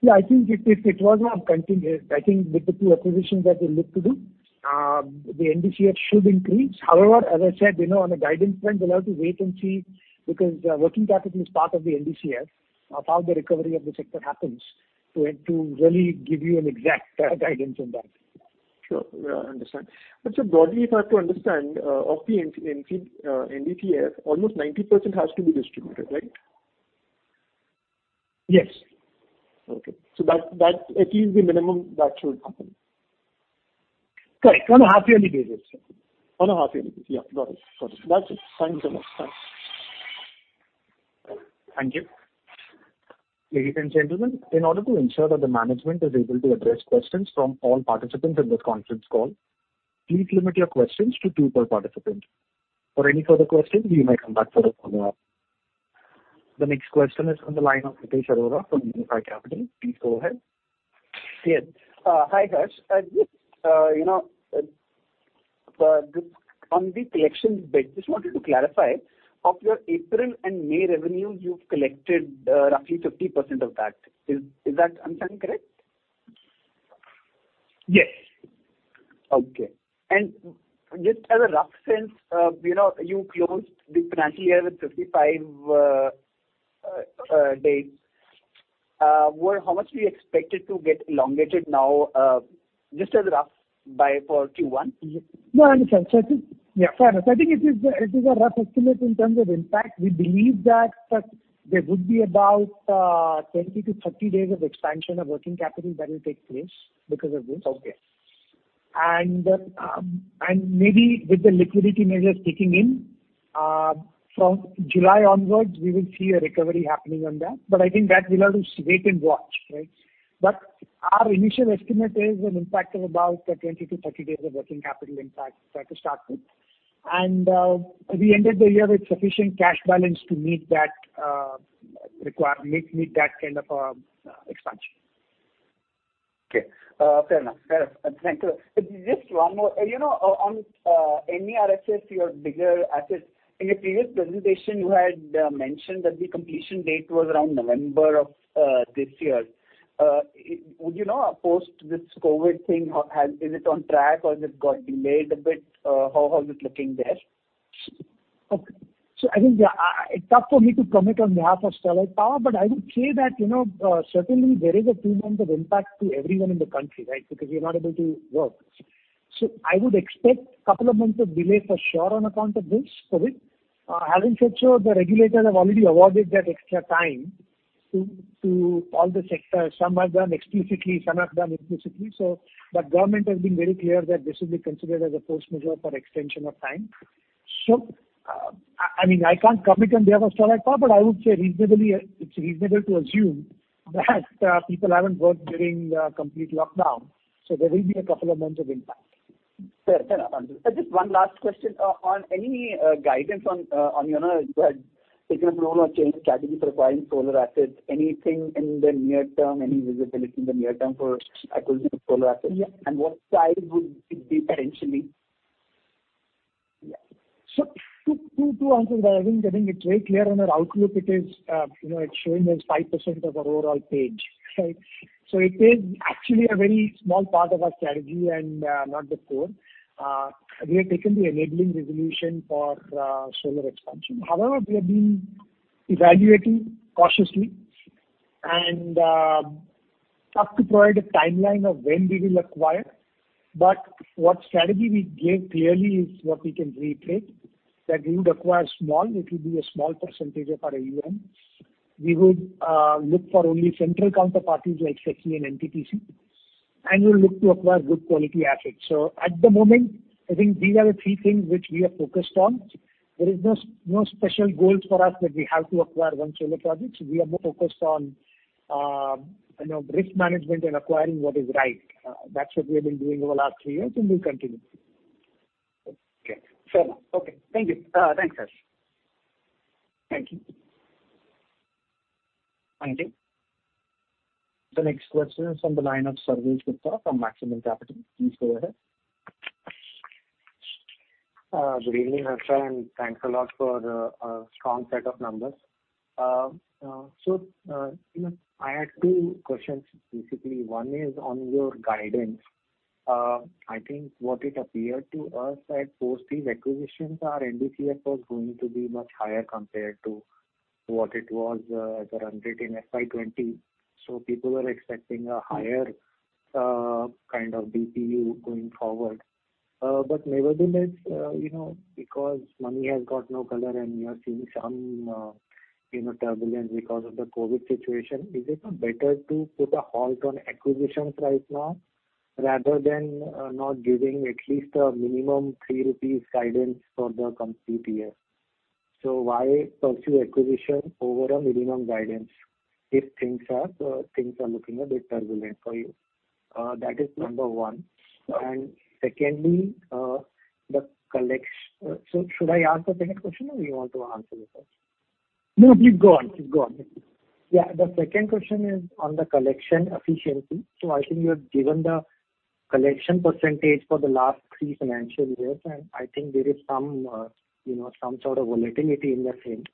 Yeah, I think with the two acquisitions that we look to do, the NDCF should increase. However, as I said, on a guidance front, we'll have to wait and see because working capital is part of the NDCF. How the recovery of the sector happens to really give you an exact guidance on that. Sure. I understand. Sir, broadly, if I have to understand, of the NDCF, almost 90% has to be distributed, right? Yes. Okay. At least the minimum that should happen. Correct. On a half yearly basis. On a half yearly. Yeah. Got it. That's it. Thanks a lot, sir. Thank you. Ladies and gentlemen, in order to ensure that the management is able to address questions from all participants in this conference call, please limit your questions to two per participant. For any further questions, you may come back for the follow-up. The next question is on the line of Hitesh Arora from Unifi Capital. Please go ahead. Yes. Hi, Harsh. On the collections bit, just wanted to clarify, of your April and May revenue, you've collected roughly 50% of that. Is that understanding correct? Yes. Okay. Just as a rough sense, you closed the financial year with 55 days. How much do you expect it to get elongated now, just as a rough, for Q1? No, I understand. Fair enough. I think it is a rough estimate in terms of impact. We believe that there would be about 20-30 days of expansion of working capital that will take place because of this. Okay. Maybe with the liquidity measures kicking in, from July onwards, we will see a recovery happening on that. I think that we'll have to wait and watch, right? Our initial estimate is an impact of about 20 to 30 days of working capital impact, that is starting. We ended the year with sufficient cash balance to meet that requirement, meet that kind of expansion. Okay. Fair enough. Thank you. Just one more. On NER, your bigger assets, in your previous presentation, you had mentioned that the completion date was around November of this year. Would you now oppose this COVID thing? Is it on track, or has it got delayed a bit? How is it looking there? I think it's tough for me to comment on behalf of Sterlite Power, but I would say that certainly there is a two-month of impact to everyone in the country, right. We are not able to work. I would expect a couple of months of delay for sure on account of this COVID. Having said so, the regulators have already awarded that extra time to all the sectors. Some have done explicitly, some have done implicitly. Government has been very clear that this will be considered as a force majeure for extension of time. I can't comment on behalf of Sterlite Power, but I would say it's reasonable to assume that people haven't worked during the complete lockdown, so there will be a couple of months of impact. Fair enough. Just one last question. On any guidance on your end, you had taken a loan or changed strategy for buying solar assets. Anything in the near term, any visibility in the near term for acquisition of solar assets? Yeah. What size would it be potentially? To answer that, I think it's very clear on our outlook. It's showing as 5% of our overall page, right? It is actually a very small part of our strategy and not the core. We have taken the enabling resolution for solar expansion. We have been evaluating cautiously, and tough to provide a timeline of when we will acquire. What strategy we gave clearly is what we can recreate, that we would acquire small, it will be a small percentage of our AUM. We would look for only central counterparties like SECI and NTPC, and we'll look to acquire good quality assets. At the moment, I think these are the three things which we are focused on. There is no special goals for us that we have to acquire one solar project. We are more focused on risk management and acquiring what is right. That's what we have been doing over the last three years. We'll continue. Okay. Fair enough. Okay. Thank you. Thanks, Harsh. Thank you. Thank you. The next question is on the line of Sarvesh Gupta from Maximal Capital. Please go ahead. Good evening, Harsh Shah, and thanks a lot for the strong set of numbers. I had two questions. Basically, one is on your guidance. I think what it appeared to us that post these acquisitions, our NDCF was going to be much higher compared to what it was as a run rate in FY 2020. People were expecting a higher kind of DPU going forward. Nevertheless, because money has got no color and we are seeing some turbulence because of the COVID situation, is it not better to put a halt on acquisitions right now, rather than not giving at least a minimum of 3 rupees guidance for the complete year? Why pursue acquisition over a minimum guidance if things are looking a bit turbulent for you? That is number one. Secondly, should I ask the second question, or you want to answer the first? No, please go on. The second question is on the collection efficiency. I think you have given the collection percentage for the last three financial years, and I think there is some sort of volatility in that sense.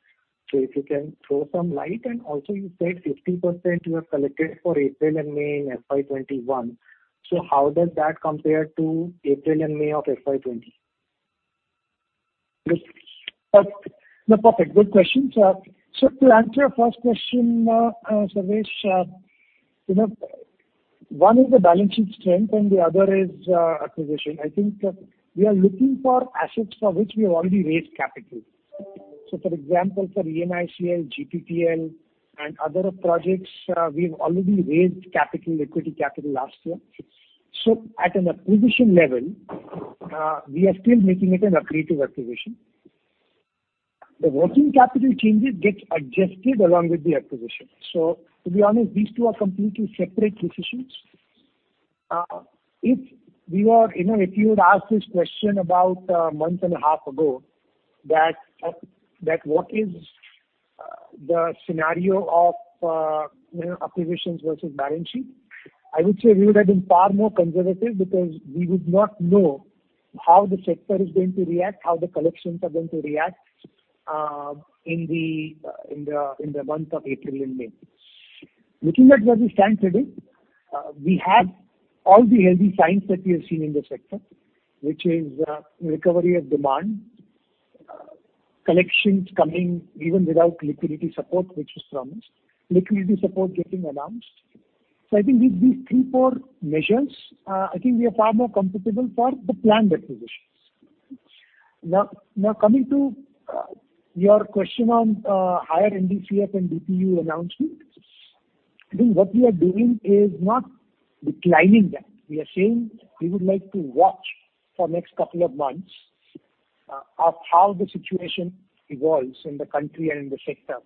If you can throw some light, and also you said 50% you have collected for April and May in FY 2021. How does that compare to April and May of FY 2020? No, perfect. Good questions. To answer your first question, Sarvesh, one is the balance sheet strength and the other is acquisition. I think we are looking for assets for which we have already raised capital. For example, for ENICL, GPTL, and other projects, we've already raised equity capital last year. The working capital changes get adjusted along with the acquisition. To be honest, these two are completely separate decisions. If you had asked this question about a month and a half ago, that what is the scenario of acquisitions versus balance sheet, I would say we would have been far more conservative because we would not know how the sector is going to react, how the collections are going to react in the months of April and May. Looking at where we stand today, we have all the early signs that we have seen in the sector, which is recovery of demand, collections coming even without liquidity support, which was promised. Liquidity support getting announced. I think with these three, four measures, I think we are far more comfortable for the planned acquisition. Coming to your question on higher NDCF and DPU announcement. I think what we are doing is not declining that. We are saying we would like to watch for next couple of months of how the situation evolves in the country and in the sector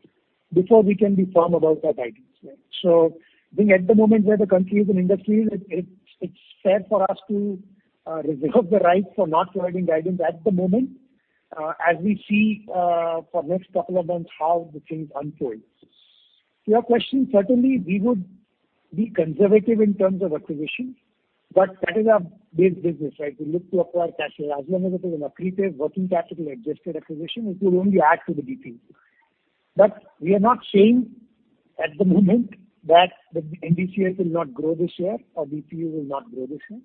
before we can be firm about that guidance. I think at the moment where the country is in industry, it's fair for us to reserve the right for not providing guidance at the moment, as we see for next couple of months how the things unfold. To your question, certainly, we would be conservative in terms of acquisition, but that is our base business. We look to acquire cash flow. As long as it is an accretive working capital adjusted acquisition, it will only add to the DPU. We are not saying at the moment that the NDCF will not grow this year or DPU will not grow this year.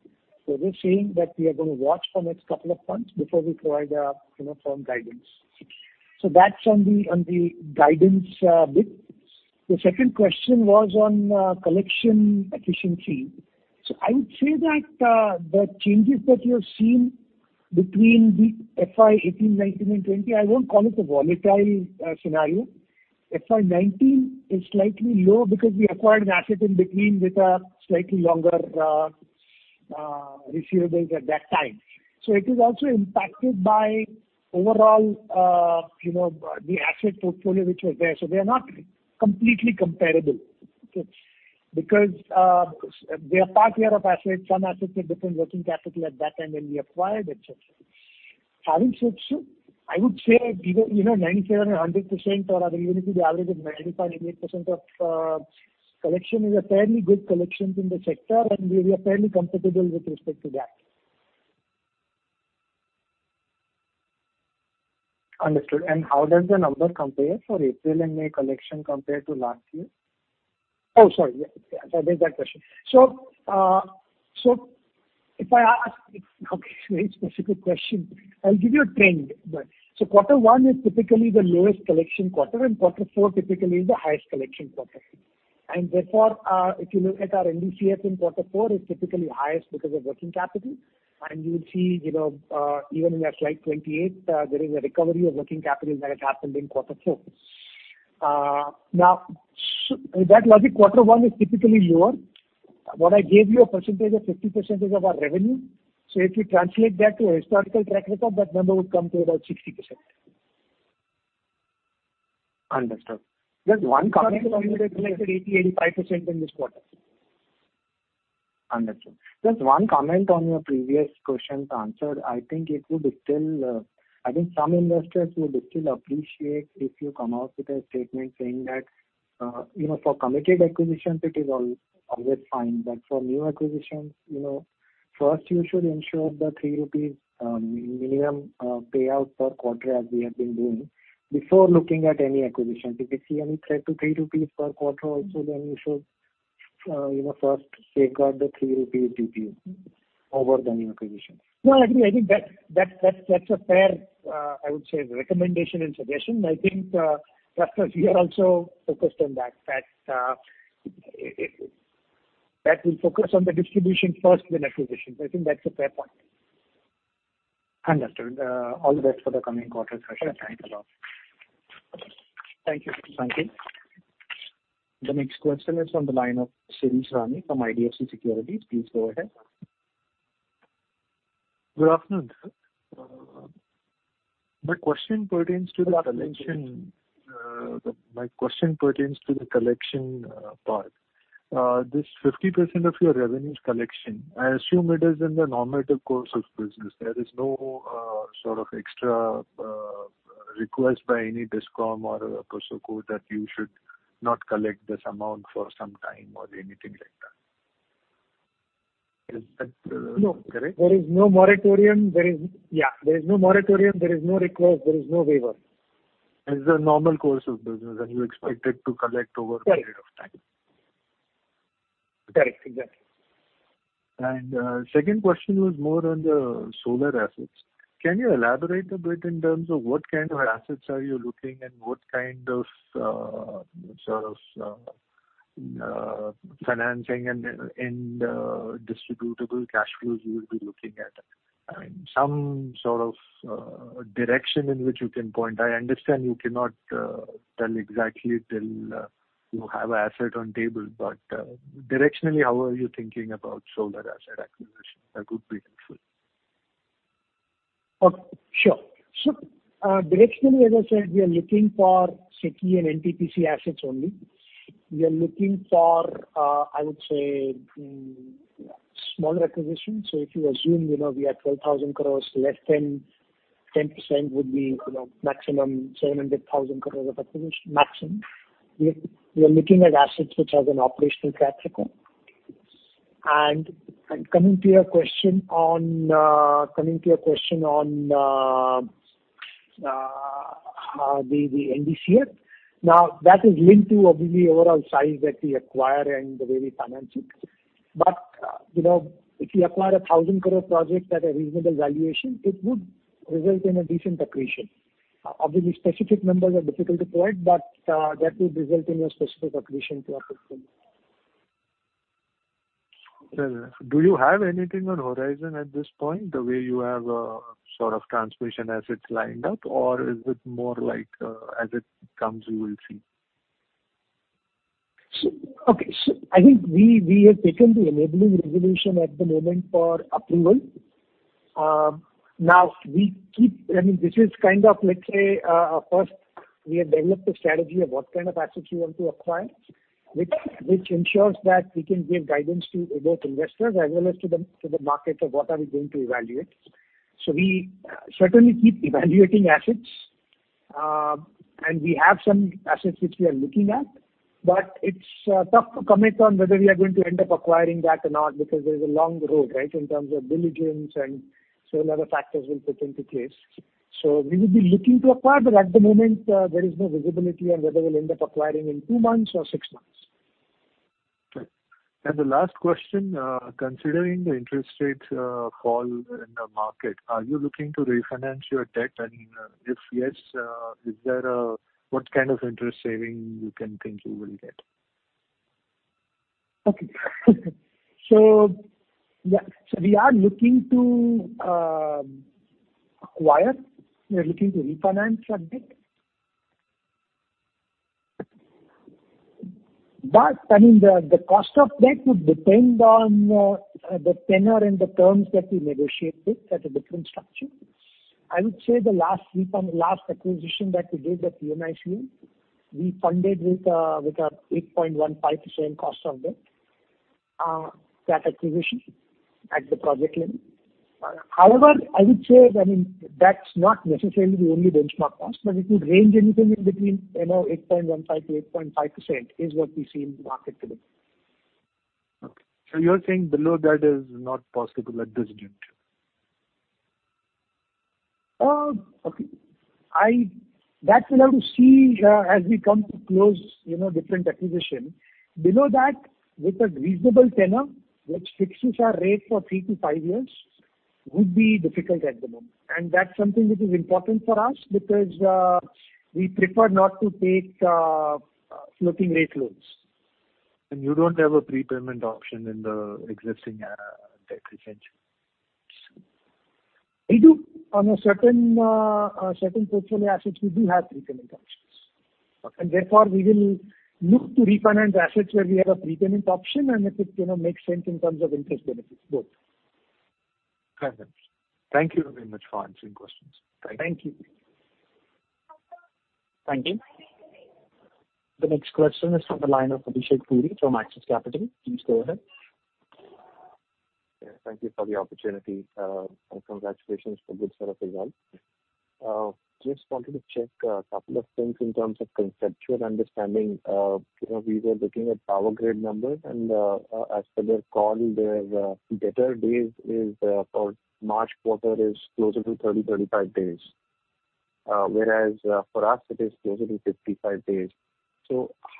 We're saying that we are going to watch for next couple of months before we provide our firm guidance. That's on the guidance bit. The second question was on collection efficiency. I would say that the changes that you have seen between the FY 2018, 2019 and 2020, I won't call it a volatile scenario. FY 2019 is slightly low because we acquired an asset in between with a slightly longer receivables at that time. It is also impacted by overall the asset portfolio which was there. They are not completely comparable. Because they are part year of assets, some assets were different working capital at that time when we acquired, et cetera. Having said so, I would say even 97% or 100%, or even if it be average of 95%-98% of collection is a fairly good collections in the sector, and we are fairly comfortable with respect to that. Understood. How does the number compare for April and May collection compare to last year? Oh, sorry. Yes, I missed that question. It is a very specific question. I will give you a trend. Quarter one is typically the lowest collection quarter, and quarter four typically is the highest collection quarter. If you look at our NDCF in quarter four is typically highest because of working capital. You will see, even in our Slide 28, there is a recovery of working capital that has happened in quarter four. That logic, quarter one is typically lower. What I gave you a percentage of 50% is of our revenue. If you translate that to a historical track record, that number would come to around 60%. Understood. Just one comment. Collected 80, 85% in this quarter. Understood. Just one comment on your previous question's answer. I think some investors would still appreciate if you come out with a statement saying that for committed acquisitions, it is always fine. For new acquisitions, first you should ensure the 3 rupees minimum payout per quarter as we have been doing, before looking at any acquisition. If you see any threat to 3 rupees per quarter also, then you should first safeguard the 3 rupees DPU over the new acquisition. No, I think that's a fair, I would say, recommendation and suggestion. I think, trustees, we are also focused on that. That we focus on the distribution first, then acquisition. I think that's a fair point. Understood. All the best for the coming quarter, Sir. Thanks a lot. Thank you. Thank you. The next question is on the line of Shirish Rane from IDFC Securities. Please go ahead. Good afternoon, sir. My question pertains to the collection part. This 50% of your revenue is collection. I assume it is in the normative course of business. There is no sort of extra request by any DISCOM or a POSOCO that you should not collect this amount for some time or anything like that. Is that correct? No, there is no moratorium. There is no request. There is no waiver. As a normal course of business, and you expect it to collect over a period of time. Correct. Exactly. Second question was more on the solar assets. Can you elaborate a bit in terms of what kind of assets are you looking and what kind of sort of financing and distributable cash flows you will be looking at? Some sort of direction in which you can point. I understand you cannot tell exactly till you have a asset on table, but directionally, how are you thinking about solar asset acquisition? That would be helpful. Okay. Sure. Directionally, as I said, we are looking for SECI and NTPC assets only. We are looking for, I would say, small acquisitions. If you assume we are 12,000 crore, less than 10% would be maximum 700,000 crore of acquisition, maximum. We are looking at assets which have an operational track record. Coming to your question on the NDCF. Now, that is linked to obviously overall size that we acquire and the way we finance it. If we acquire an 1,000 crore project at a reasonable valuation, it would result in a decent accretion. Obviously, specific numbers are difficult to provide, but that will result in a specific accretion to our portfolio. Do you have anything on horizon at this point, the way you have a sort of transmission assets lined up? Is it more like, as it comes, you will see? Okay. I think we have taken the enabling resolution at the moment for approval. First, we have developed a strategy of what kind of assets we want to acquire, which ensures that we can give guidance to both investors as well as to the market of what are we going to evaluate. We certainly keep evaluating assets, and we have some assets which we are looking at, but it's tough to commit on whether we are going to end up acquiring that or not because there is a long road, right, in terms of diligence and so a lot of factors will put into place. We will be looking to acquire, but at the moment, there is no visibility on whether we'll end up acquiring in two months or six months. Okay. The last question, considering the interest rates fall in the market, are you looking to refinance your debt? If yes, what kind of interest saving you think you will get? Okay. We are looking to refinance our debt. The cost of debt would depend on the tenure and the terms that we negotiate with at a different structure. I would say the last acquisition that we did at [PMIC], we funded with a 8.15% cost of debt, that acquisition at the project level. I would say that's not necessarily the only benchmark cost, but it would range anything in between 8.15%-8.5%, is what we see in the market today. Okay. You're saying below that is not possible at this juncture? Okay. That we'll have to see as we come to close different acquisition. Below that, with a reasonable tenure, which fixes our rate for three to five years, would be difficult at the moment. That's something which is important for us because we prefer not to take floating rate loans. You don't have a prepayment option in the existing debt retention. We do. On a certain portfolio assets, we do have prepayment options. Okay. Therefore, we will look to refinance the assets where we have a prepayment option, and if it makes sense in terms of interest benefits, both. Understood. Thank you very much for answering questions. Thank you. Thank you. Thank you. The next question is from the line of Abhishek Puri from Axis Capital. Please go ahead. Thank you for the opportunity. Congratulations for good set of results. Just wanted to check a couple of things in terms of conceptual understanding. We were looking at Power Grid numbers, and as per their call, their debtor days for March quarter is closer to 30, 35 days. Whereas for us it is closer to 55 days.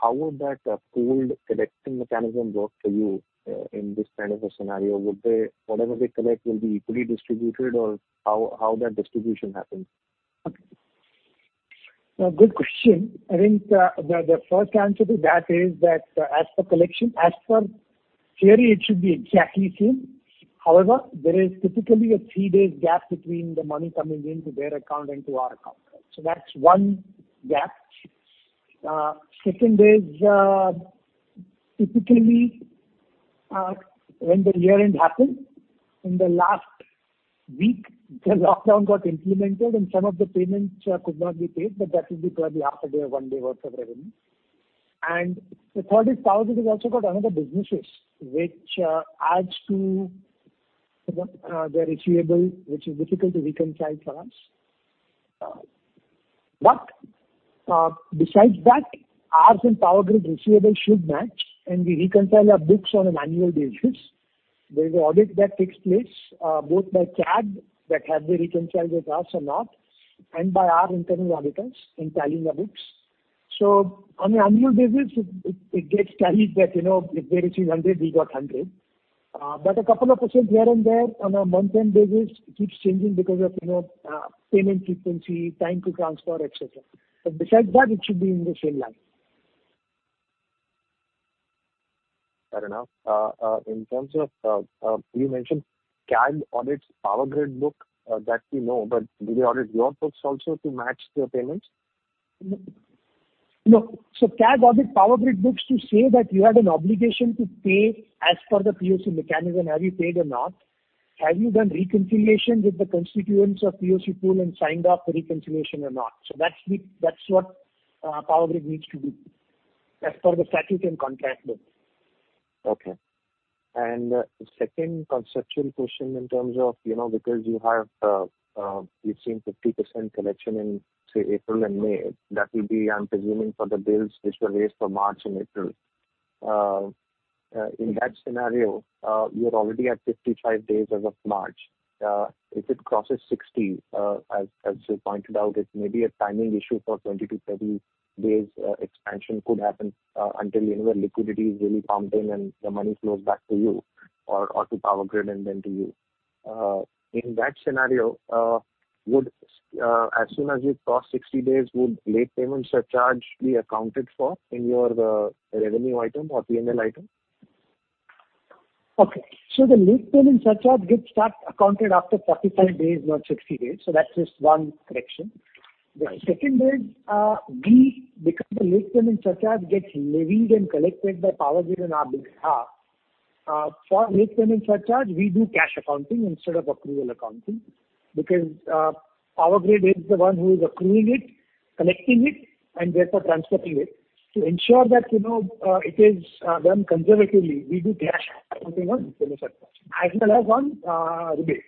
How would that pooled collecting mechanism work for you, in this kind of a scenario? Whatever they collect will be equally distributed, or how that distribution happens? Okay. Good question. I think the first answer to that is that as per collection, as per theory, it should be exactly same. However, there is typically a three-days gap between the money coming into their account and to our account. That's one gap. Second is, typically, when the year-end happened, in the last week, the lockdown got implemented and some of the payments could not be paid, but that would be probably half a day or one day worth of revenue. The third is Power Grid has also got another businesses which adds to their receivable, which is difficult to reconcile for us. Besides that, ours and Power Grid receivable should match, and we reconcile our books on an annual basis. There's an audit that takes place, both by CAG, that have they reconciled with us or not, and by our internal auditors in tallying our books. On an annual basis, it gets tallied that if they received 100, we got 100. A couple of percent here and there on a month-end basis, it keeps changing because of payment frequency, time to transfer, et cetera. Besides that, it should be in the same line. Fair enough. You mentioned CAG audits Power Grid book, that we know, but do they audit your books also to match their payments? No. CAG audit Power Grid books to say that you had an obligation to pay as per the POC mechanism. Have you paid or not? Have you done reconciliation with the constituents of POC pool and signed off the reconciliation or not? That's what Power Grid needs to do as per the statute and contract with them. Okay. Second conceptual question in terms of, because we've seen 50% collection in, say, April and May, that will be, I'm presuming, for the bills which were raised for March and April. In that scenario, you're already at 55 days as of March. If it crosses 60, as you pointed out, it may be a timing issue for 20 to 30 days extension could happen until inward liquidity is really pumped in and the money flows back to you or to Power Grid and then to you. In that scenario, as soon as you cross 60 days, would late payment surcharge be accounted for in your revenue item or P&L item? The late payment surcharge gets start accounted after 35 days, not 60 days. That's just one correction. Right. The second is, because the late payment surcharge gets levied and collected by Power Grid on our behalf, for late payment surcharge, we do cash accounting instead of accrual accounting, because Power Grid is the one who is accruing it, collecting it, and therefore transferring it. To ensure that it is done conservatively, we do cash accounting on late payment surcharge. As well as on rebates.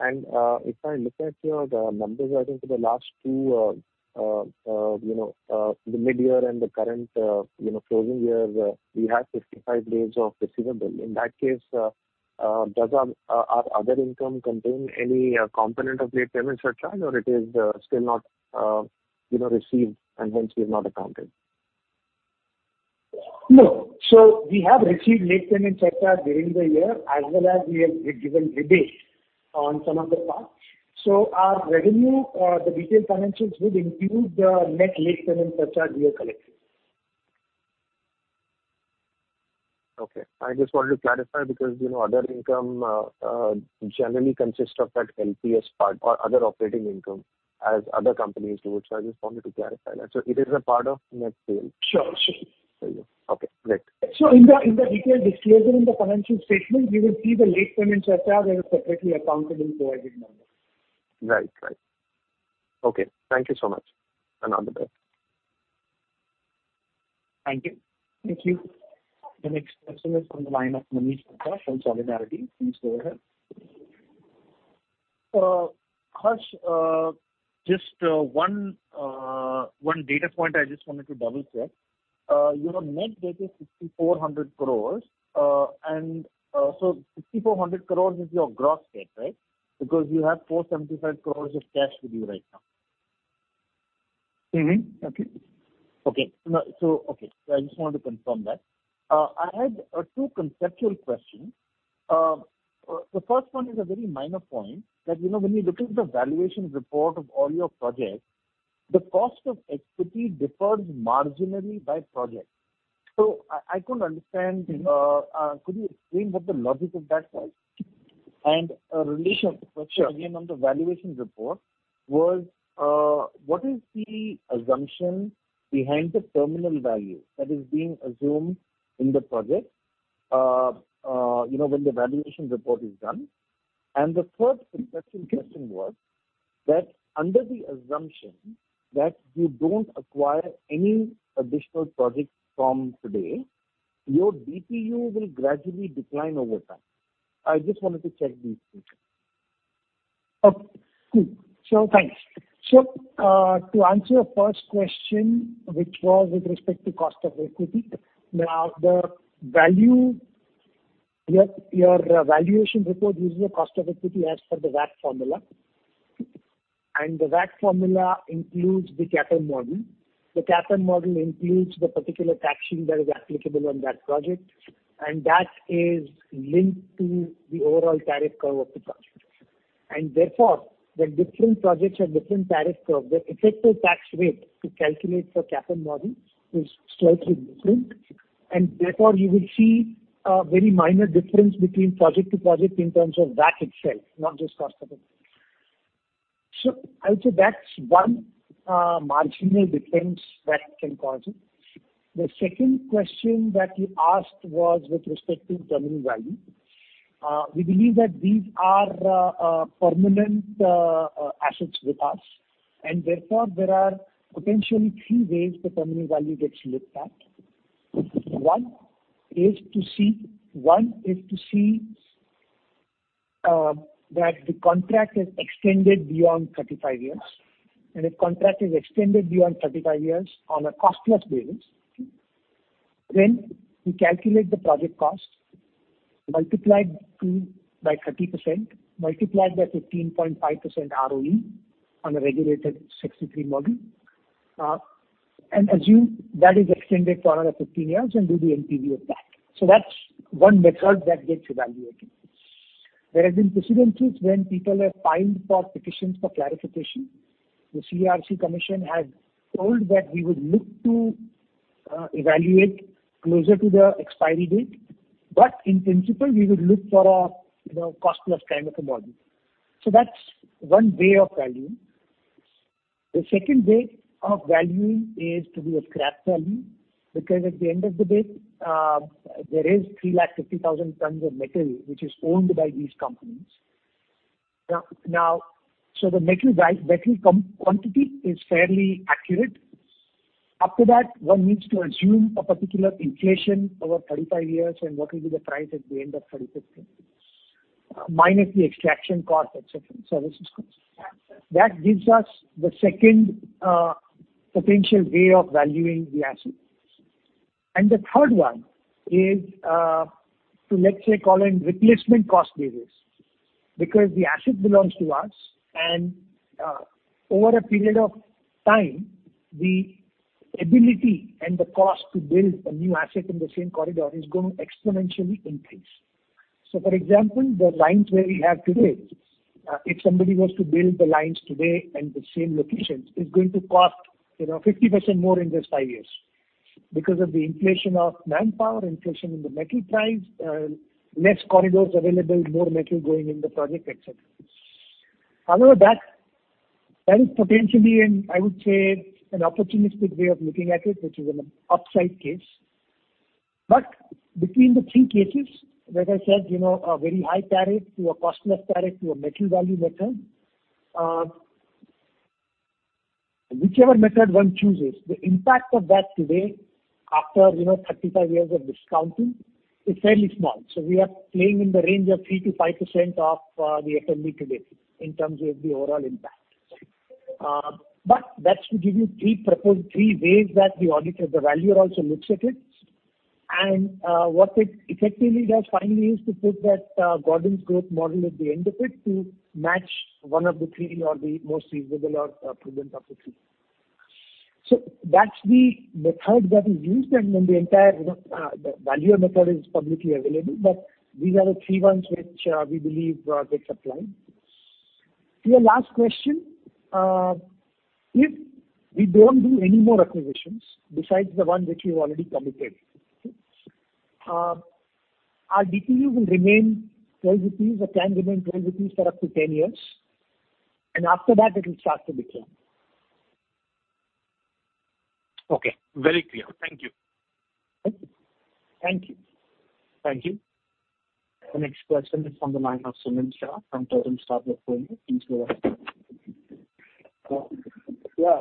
Okay. If I look at your numbers, I think for the last two, the mid-year and the current closing year, we had 55 days of receivable. In that case, does our other income contain any component of late payment surcharge, or it is still not received and hence is not accounted? No. We have received late payment surcharge during the year, as well as we have given rebates on some of the parts. Our revenue, the detailed financials would include the net late payment surcharge we have collected. Okay. I just wanted to clarify because other income generally consists of that LPS part or other operating income, as other companies do. I just wanted to clarify that. It is a part of net sales. Sure. Okay, great. In the detailed disclosure in the financial statement, you will see the late payment surcharge as a separately accountable provided number. Right. Okay. Thank you so much, and all the best. Thank you. Thank you. The next person is on the line of Manish Gupta from Solidarity. Please go ahead. Harsh, just one data point I just wanted to double-check. Your net debt is 6,400 crores. 6,400 crores is your gross debt, right? Because you have 475 crores of cash with you right now. Okay. Okay. I just wanted to confirm that. I had two conceptual questions. The first one is a very minor point, that when you look at the valuation report of all your projects, the cost of equity differs marginally by project. I couldn't understand, could you explain what the logic of that was? A related question again on the valuation report was, what is the assumption behind the terminal value that is being assumed in the project when the valuation report is done? The third conceptual question was that under the assumption that you don't acquire any additional projects from today, your DPU will gradually decline over time. I just wanted to check these three. Okay. Cool. Thanks. To answer your first question, which was with respect to cost of equity. Your valuation report uses the cost of equity as per the WACC formula, and the WACC formula includes the CAPM model. The CAPM model includes the particular taxation that is applicable on that project, and that is linked to the overall tariff curve of the project. Therefore, the different projects have different tariff curves. The effective tax rate to calculate for CAPM model is slightly different, and therefore you will see a very minor difference between project to project in terms of WACC itself, not just cost of equity. I would say that's one marginal difference WACC can cause it. The second question that you asked was with respect to terminal value. We believe that these are permanent assets with us, and therefore there are potentially three ways the terminal value gets looked at. One is to see that the contract is extended beyond 35 years, and if contract is extended beyond 35 years on a cost-plus basis, then we calculate the project cost, multiplied by 30%, multiplied by 15.5% ROE on a Reg 63 model, and assume that is extended for another 15 years and do the NPV of that. That's one method that gets evaluated. There have been precedents when people have filed for petitions for clarification. The CERC Commission has told that we would look to evaluate closer to the expiry date, but in principle, we would look for a cost-plus kind of a model. That's one way of valuing. The second way of valuing is through a scrap value, because at the end of the day, there is 350,000 tons of metal which is owned by these companies. The metal quantity is fairly accurate. After that, one needs to assume a particular inflation over 35 years and what will be the price at the end of 35 years, minus the extraction cost, et cetera. This is constant. That gives us the second potential way of valuing the asset. The third one is to, let's say, call in replacement cost basis. Because the asset belongs to us, and over a period of time, the ability and the cost to build a new asset in the same corridor is going to exponentially increase. For example, the lines where we have today, if somebody was to build the lines today in the same locations, it's going to cost 50% more in just five years because of the inflation of manpower, inflation in the metal price, less corridors available, more metal going in the project, et cetera. That is potentially, I would say, an opportunistic way of looking at it, which is an upside case. Between the three cases, as I said, a very high tariff to a cost-plus tariff to a metal value method. Whichever method one chooses, the impact of that today, after 35 years of discounting, is fairly small. We are playing in the range of 3%-5% of the FMV today in terms of the overall impact. That's to give you three ways that the auditor, the valuer also looks at it. What it effectively does finally is to put that Gordon Growth Model at the end of it to match one of the three or the most feasible or prudent of the three. That's the method that is used, and the entire valuer method is publicly available, but these are the three which we believe gets applied. To your last question. If we don't do any more acquisitions besides the one which we've already committed, our DPU will remain 12 rupees or can remain 12 rupees for up to 10 years, and after that it will start to decline. Okay. Very clear. Thank you. Thank you. Thank you. The next question is from the line of Sunil Shah from Turtle Star Portfolio. Please go ahead. Yeah.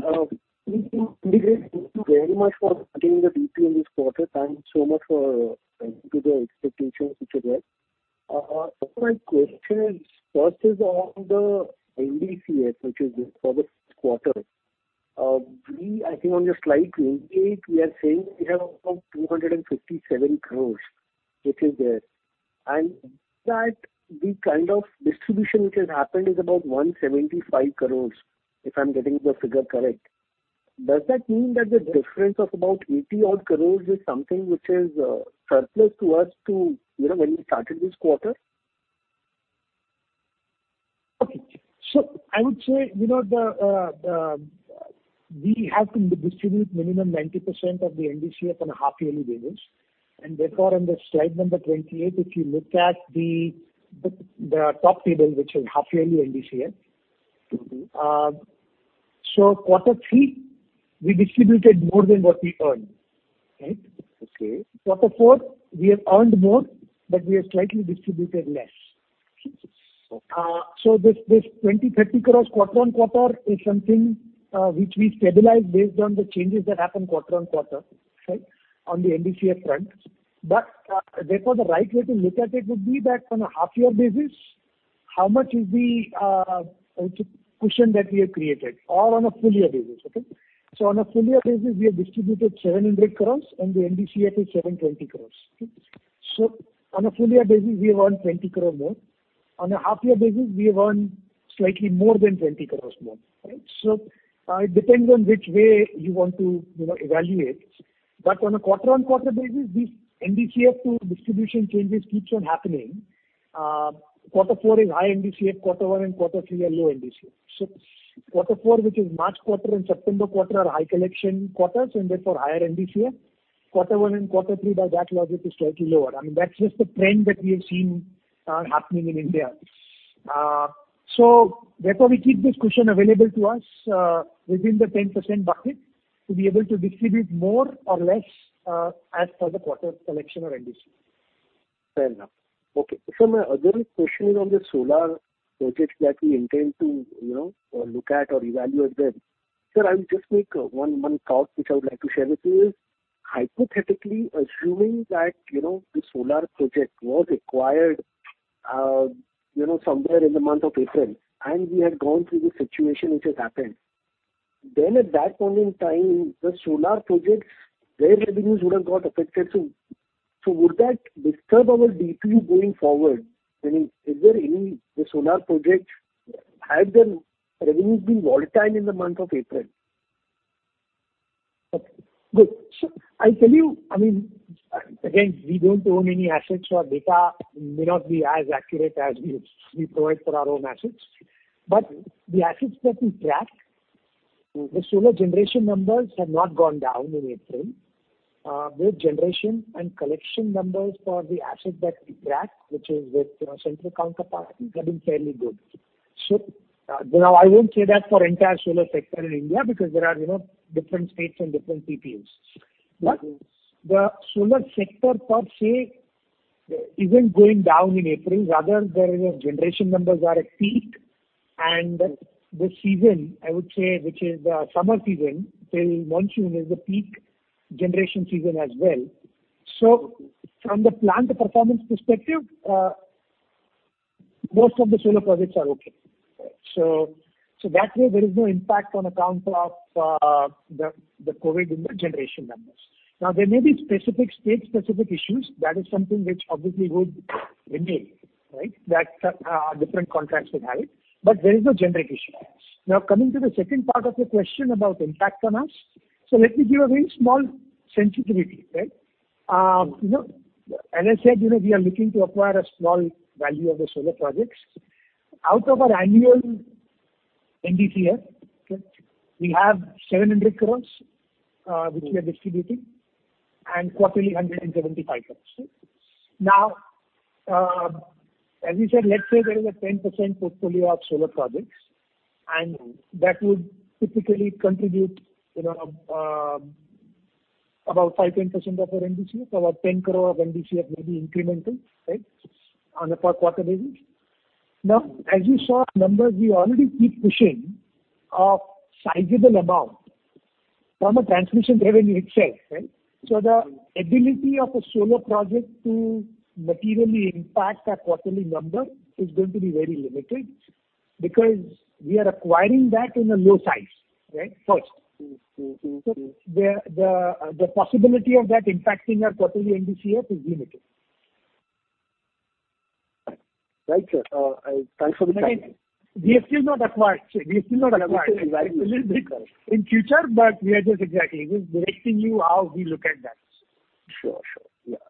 Good evening. Thank you very much for taking the DPU this quarter. Thank you so much for living up to the expectations which were there. My question first is on the NDCF, which is due for this quarter. I think on your slide 28, we are saying we have around 257 crores which is there, and that the kind of distribution which has happened is about 175 crores, if I'm getting the figure correct. Does that mean that the difference of about 80 odd crores is something which is surplus to us to when we started this quarter? I would say, we have to distribute minimum 90% of the NDCF on a half yearly basis, and therefore on the slide number 28, if you look at the top table which is half yearly NDCF. Quarter three, we distributed more than what we earned. Right? Okay. Quarter four, we have earned more, but we have slightly distributed less. Okay. This 20, 30 crores quarter-on-quarter is something which we stabilize based on the changes that happen quarter-on-quarter on the NDCF front. Therefore the right way to look at it would be that on a half-year basis, how much is the cushion that we have created or on a full-year basis. Okay. On a full-year basis, we have distributed 700 crores and the NDCF is 720 crores. On a full-year basis, we have earned 20 crore more. On a half-year basis, we have earned slightly more than 20 crores more. It depends on which way you want to evaluate. On a quarter-on-quarter basis, this NDCF tool distribution changes keeps on happening. Quarter four is high NDCF, quarter one and quarter three are low NDCF. Quarter four which is March quarter and September quarter are high collection quarters and therefore higher NDCF. Quarter one and quarter three by that logic is slightly lower. I mean, that's just the trend that we have seen happening in India. Therefore we keep this cushion available to us within the 10% bucket to be able to distribute more or less as per the quarter collection of NDCF. Fair enough. Okay. Sir, my other question is on the solar projects that we intend to look at or evaluate them. Sir, I would just make one thought which I would like to share with you is, hypothetically assuming that the solar project was acquired somewhere in the month of April, and we had gone through the situation which has happened, then at that point in time, the solar projects, their revenues would have got affected too. Would that disturb our DPU going forward? I mean, the solar project, have the revenues been volatile in the month of April? Okay, good. I tell you, again, we don't own any assets or data may not be as accurate as we provide for our own assets. The assets that we track, the solar generation numbers have not gone down in April. Both generation and collection numbers for the assets that we track, which is with central counterparties have been fairly good. Now I won't say that for entire solar sector in India because there are different states and different PPAs. The solar sector per se isn't going down in April. Rather, their generation numbers are at peak and the season, I would say, which is the summer season till monsoon, is the peak generation season as well. From the plant performance perspective, most of the solar projects are okay. That way there is no impact on account of the COVID in the generation numbers. There may be specific state-specific issues. That is something which obviously would remain. Different contracts would have, there is no generation issues. Coming to the second part of your question about impact on us. Let me give a very small sensitivity. As I said, we are looking to acquire a small value of the solar projects. Out of our annual NDCF, we have 700 crore, which we are distributing and quarterly 175 crore. As we said, let's say there is a 10% portfolio of solar projects, and that would typically contribute about 5%, 10% of our NDCF, about 10 crore of NDCF may be incremental on a per quarter basis. As you saw numbers, we already keep pushing a sizable amount from a transmission revenue itself. The ability of a solar project to materially impact our quarterly number is going to be very limited because we are acquiring that in a low size, first. The possibility of that impacting our quarterly NDCF is limited. Right, sir. Thanks for the clarity. We have still not acquired a little bit in future, but we are just exactly briefing you how we look at that. Sure.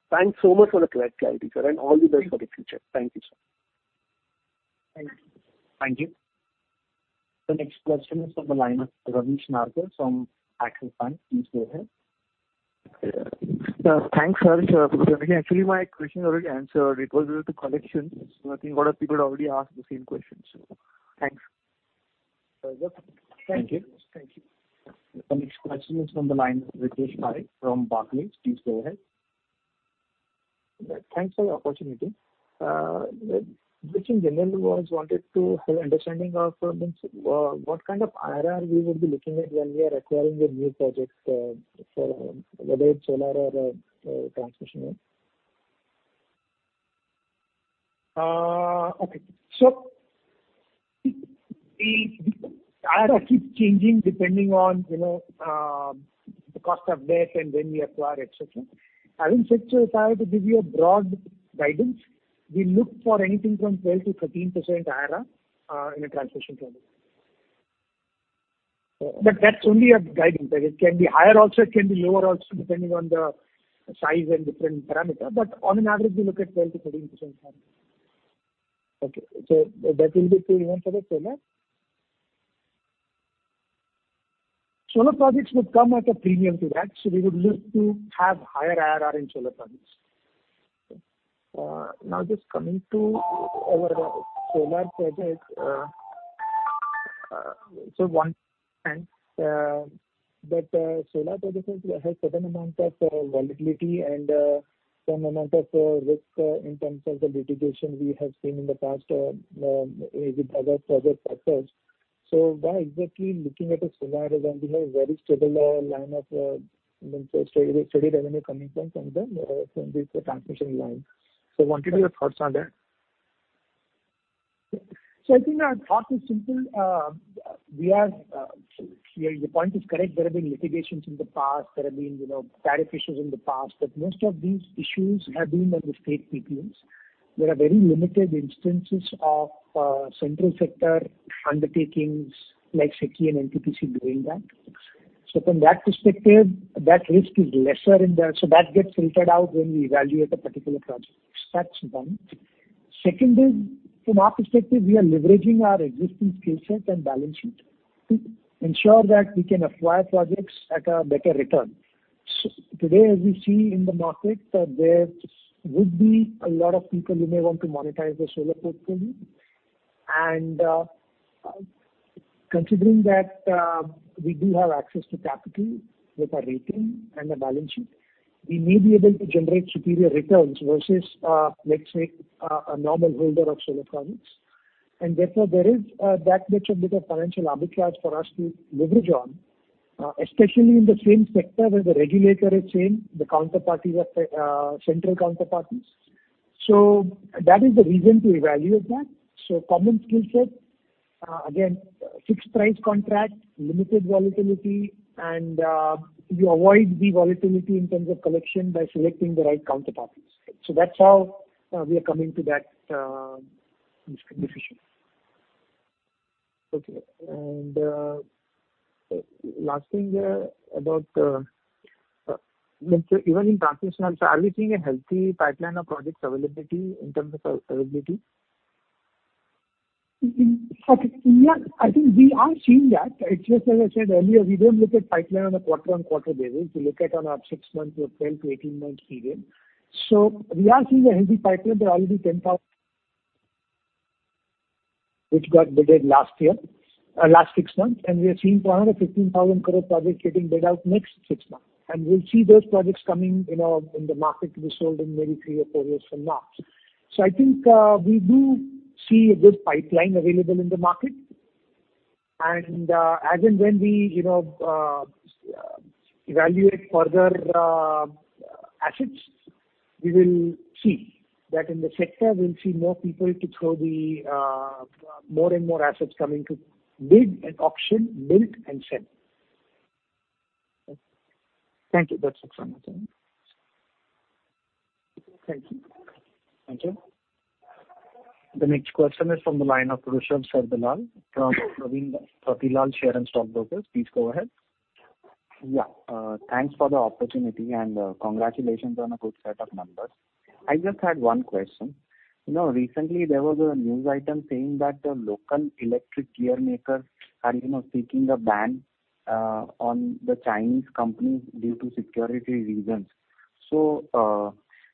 Thanks so much for the clear clarity, sir, and all the best for the future. Thank you, sir. Thank you. Thank you. The next question is from the line of Ravi Shankar from Axel Fund. Please go ahead. Thanks, sir. Actually, my question already answered. It was related to collections. I think a lot of people already asked the same question, thanks. Thank you. Thank you. The next question is from the line of Ritesh Parikh from Barclays. Please go ahead. Thanks for the opportunity. Ritesh in general was wanted to have understanding of what kind of IRR we would be looking at when we are acquiring a new project, whether it's solar or a transmission one. Okay. IRR keeps changing depending on the cost of debt and when we acquire, etcetera. Having said so, Ritesh, to give you a broad guidance, we look for anything from 12-13% IRR in a transmission project. That's only a guidance. It can be higher also, it can be lower also depending on the size and different parameter, but on an average, we look at 12-13% IRR. Okay. That will be even for the solar? Solar projects would come at a premium to that, we would look to have higher IRR in solar projects. Okay. Now, just coming to our solar projects. One, but solar projects has certain amount of volatility and certain amount of risk in terms of the litigation we have seen in the past with other project sponsors. Why exactly looking at a solar InvIT, we have very stable line of revenue coming from this transmission line? Wanted your thoughts on that? I think our thought is simple. Your point is correct. There have been litigations in the past. There have been tariff issues in the past, but most of these issues have been with the state PPAs. There are very limited instances of central sector undertakings like SECI and NTPC doing that. From that perspective, that risk is lesser in there. That gets filtered out when we evaluate a particular project. That's one. Second is, from our perspective, we are leveraging our existing skill set and balance sheet to ensure that we can acquire projects at a better return. Today, as we see in the market, there would be a lot of people who may want to monetize the solar portfolio. Considering that we do have access to capital with our rating and the balance sheet, we may be able to generate superior returns versus, let's say, a normal holder of solar projects. Therefore, there is that much of bit of financial arbitrage for us to leverage on, especially in the same sector where the regulator is same, the counterparties are central counterparties. That is the reason to evaluate that. Common skill set, again, fixed price contract, limited volatility, and you avoid the volatility in terms of collection by selecting the right counterparties. That's how we are coming to that decision. Okay. Last thing about, even in transmission, sir, are we seeing a healthy pipeline of projects availability in terms of availability? Okay. In that, I think we are seeing that. It's just as I said earlier, we don't look at pipeline on a quarter-over-quarter basis. We look at on a six-month to 12 to 18-month period. We are seeing a healthy pipeline. There are already 10,000 crore which got bidded last year, last six months. We are seeing around a 15,000 crore project getting bid out next six months. We'll see those projects coming in the market to be sold in maybe three or four years from now. I think we do see a good pipeline available in the market. As and when we evaluate further assets, we will see that in the sector, we'll see more people to throw the more and more assets coming to bid at auction, build and sell. Thank you. That's it from my side. Thank you. Thank you. The next question is from the line of Rishabh Sarda Lal from Pravin Ratilal Share and Stock Brokers. Please go ahead. Yeah. Thanks for the opportunity. Congratulations on a good set of numbers. I just had one question. Recently, there was a news item saying that the local electric gear makers are seeking a ban on the Chinese companies due to security reasons.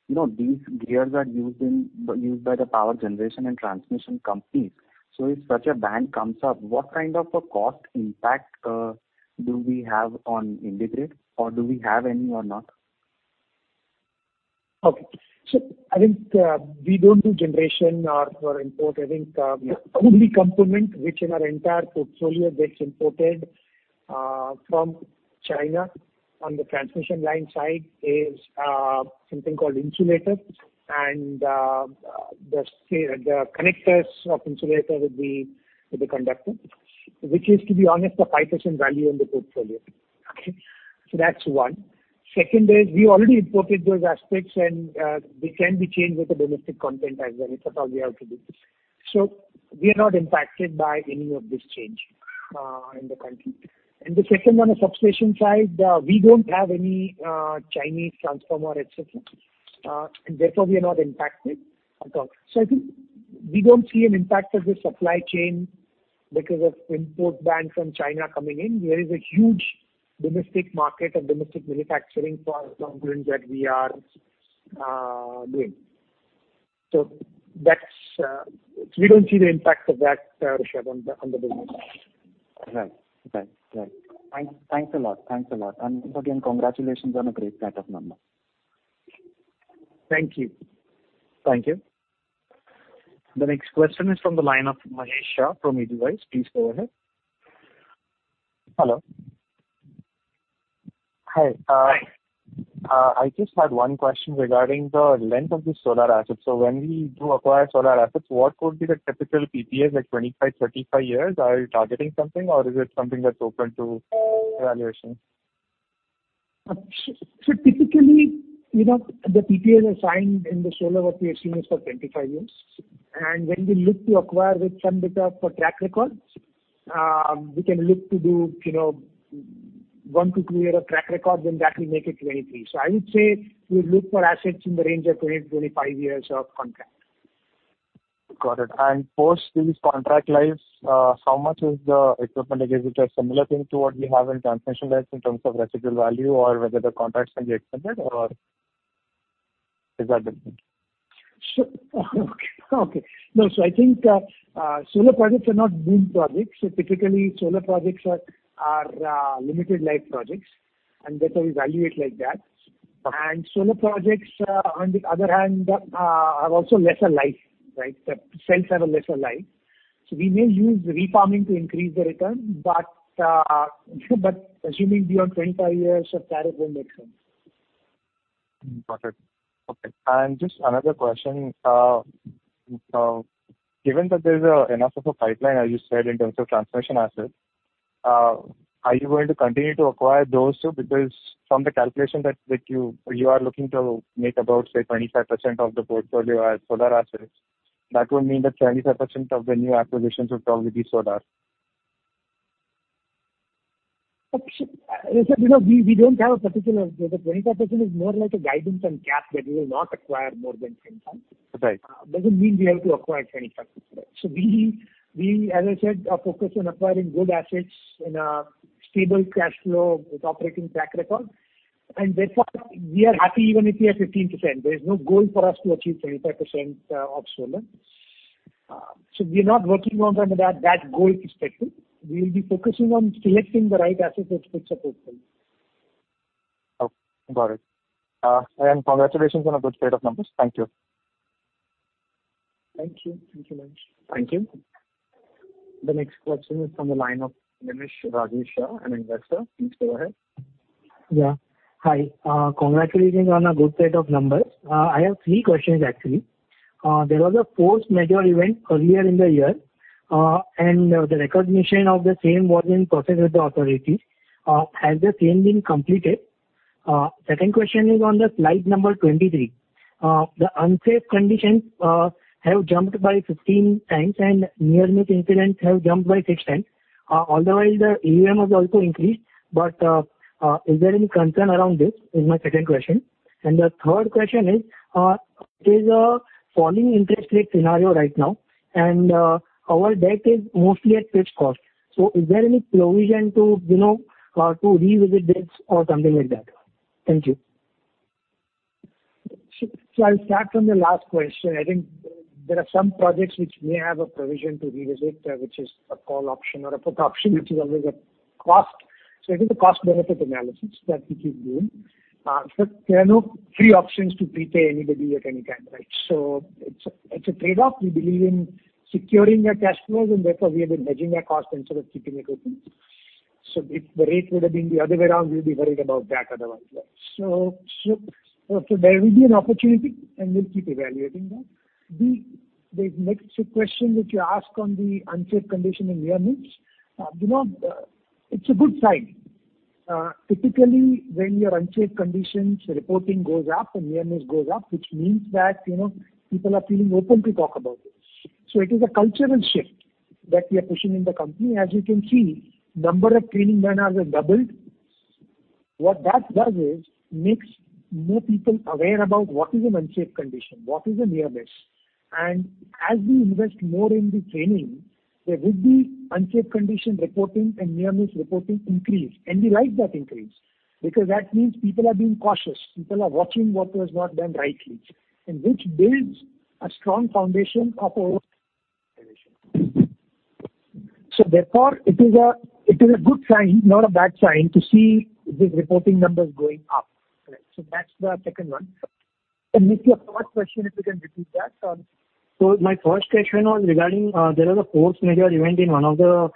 These gears are used by the power generation and transmission companies. If such a ban comes up, what kind of a cost impact do we have on IndiGrid, or do we have any or not? Okay. I think we don't do generation or import. I think the only component which in our entire portfolio gets imported from China on the transmission line side is something called insulator. The connectors of insulator with the conductor, which is, to be honest, a 5% value in the portfolio. Okay. That's one. Second is we already imported those assets, and they can be changed with the domestic content as well. It's all we have to do. We are not impacted by any of this change in the country. The second one is substation side, we don't have any Chinese transformer, et cetera. Therefore, we are not impacted at all. I think we don't see an impact of the supply chain because of import ban from China coming in. There is a huge domestic market and domestic manufacturing for as long as that we are doing. We don't see the impact of that, Rishabh, on the business. Right. Thanks a lot. Again, congratulations on a great set of numbers. Thank you. Thank you. The next question is from the line of Mahesh Shah from Edelweiss. Please go ahead. Hello. Hi. Hi. I just had one question regarding the length of the solar assets. When we do acquire solar assets, what could be the typical PPA, like 25, 35 years? Are you targeting something, or is it something that's open to evaluation? Typically, the PPAs are signed in the solar workspace units for 25 years. When we look to acquire with some bit of track record, we can look to do one to two year of track record, then that will make it 23 years. I would say we look for assets in the range of 20 to 25 years of contract. Got it. Post these contract lives, how much is the equipment? Is it a similar thing to what we have in transmission lines in terms of residual value or whether the contracts can be extended, or is that different? Okay. I think solar projects are not BOOM projects. Typically, solar projects are limited life projects, and therefore we value it like that. Okay. Solar projects on the other hand, have also lesser life, right? The cells have a lesser life. So we may use refarming to increase the return, but assuming beyond 25 years of that won't make sense. Got it. Okay. Just another question. Given that there's enough of a pipeline, as you said, in terms of transmission assets, are you going to continue to acquire those too? Because from the calculation that you are looking to make about, say, 25% of the portfolio as solar assets, that would mean that 25% of the new acquisitions would probably be solar. The 25% is more like a guidance and cap that we will not acquire more than 25. Right. Doesn't mean we have to acquire 25. We, as I said, are focused on acquiring good assets in a stable cash flow with operating track record. Therefore, we are happy even if we are 15%. There is no goal for us to achieve 25% of solar. We are not working from that goal perspective. We will be focusing on selecting the right asset, which fits the portfolio. Okay. Got it. Congratulations on a good set of numbers. Thank you. Thank you, Mahesh. Thank you. The next question is from the line of Nimish Rajesh Shah, an investor. Please go ahead. Yeah. Hi. Congratulations on a good set of numbers. I have three questions, actually. There was a force majeure event earlier in the year, and the recognition of the same was in process with the authorities. Has the same been completed? Second question is on slide number 23. The unsafe conditions have jumped by 15 times, and near-miss incidents have jumped by six times. All the while, the AUM has also increased. Is there any concern around this, is my second question. The third question is, it is a falling interest rate scenario right now, and our debt is mostly at fixed rate. Is there any provision to revisit this or something like that? Thank you. I'll start from the last question. I think there are some projects which may have a provision to revisit, which is a call option or a put option, which is always a cost. It is a cost-benefit analysis that we keep doing. There are no free options to pre-pay anybody at any time, right? It's a trade-off. We believe in securing our customers, and therefore we have been hedging our costs instead of keeping it open. If the rate would have been the other way around, we'd be worried about that other one as well. There will be an opportunity, and we'll keep evaluating that. The next question which you asked on the unsafe condition and near miss. It's a good sign. Typically, when your unsafe conditions reporting goes up and near miss goes up, which means that people are feeling open to talk about it. It is a cultural shift that we are pushing in the company. As you can see, number of training man-hours has doubled. What that does is makes more people aware about what is an unsafe condition, what is a near miss. As we invest more in the training, there would be unsafe condition reporting and near-miss reporting increase. We like that increase, because that means people are being cautious. People are watching what was not done rightly, and which builds a strong foundation. Therefore, it is a good sign, not a bad sign to see these reporting numbers going up. Correct. That's the second one. Your first question, if you can repeat that. My first question was regarding, there was a force majeure event in one of the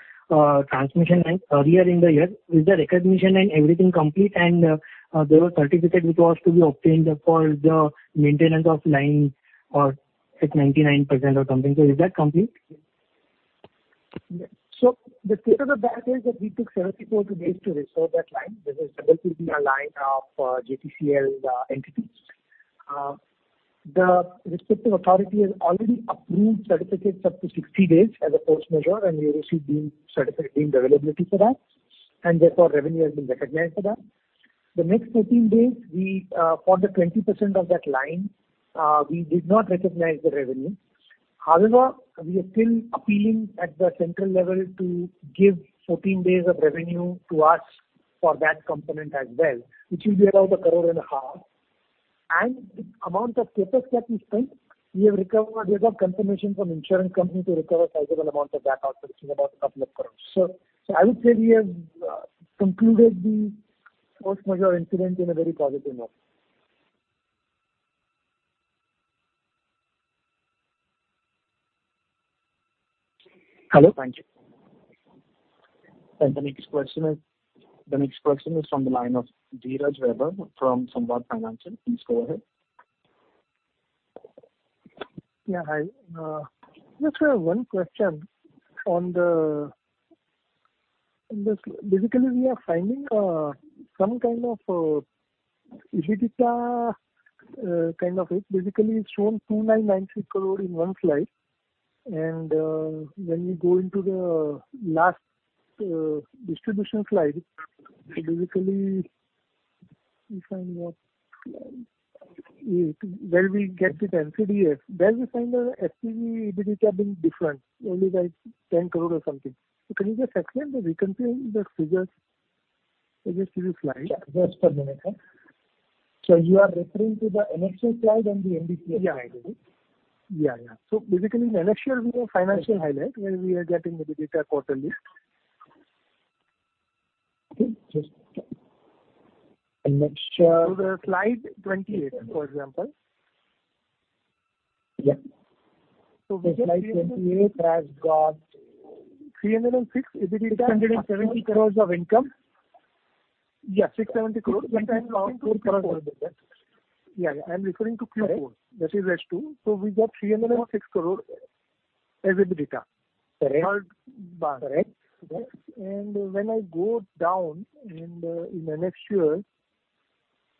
transmission lines earlier in the year. Is the recognition and everything complete? There were certificate which was to be obtained for the maintenance of line or it's 99% or something. Is that complete? The state of that is that we took 74 days to restore that line. This is WPP power line of JTCL's entity. The respective authority has already approved certificates up to 60 days as a force majeure, and we received certificate availability for that, and therefore revenue has been recognized for that. The next 14 days, for the 20% of that line, we did not recognize the revenue. However, we are still appealing at the central level to give 14 days of revenue to us for that component as well, which will be around 1.5 crore. The amount of CapEx that we spent, we have recovered. We have got confirmation from insurance company to recover a sizable amount of that out, which is about roughly a crore. I would say we have concluded the force majeure incident in a very positive note. Hello. Thank you. The next question is from the line of Dheeraj Weaver from Samvad Financial. Please go ahead. Yeah. Hi. Just one question. Basically, we are finding some kind of EBITDA kind of it. Basically, it's shown 2,993 crore in one slide. When we go into the last distribution slide, so basically we find what, where we get NCDF, where we find our SPV EBITDA being different only by 10 crore or something. Can you just explain the reconciliation, the figures? Maybe through the slide. Sure. Just a minute. You are referring to the next year slide and the NDFCs slide, is it? Yeah. Basically next year we have financial highlight where we are getting the EBITDA quarterly. Okay. The slide 28, for example. Yeah. Slide 28 has got INR 306 EBITDA. INR 670 crores of income. Yeah, INR 670 crores. Yeah, I'm referring to Q4. Correct. That is S2. We got 306 crore as EBITDA. Correct. When I go down and in the next year,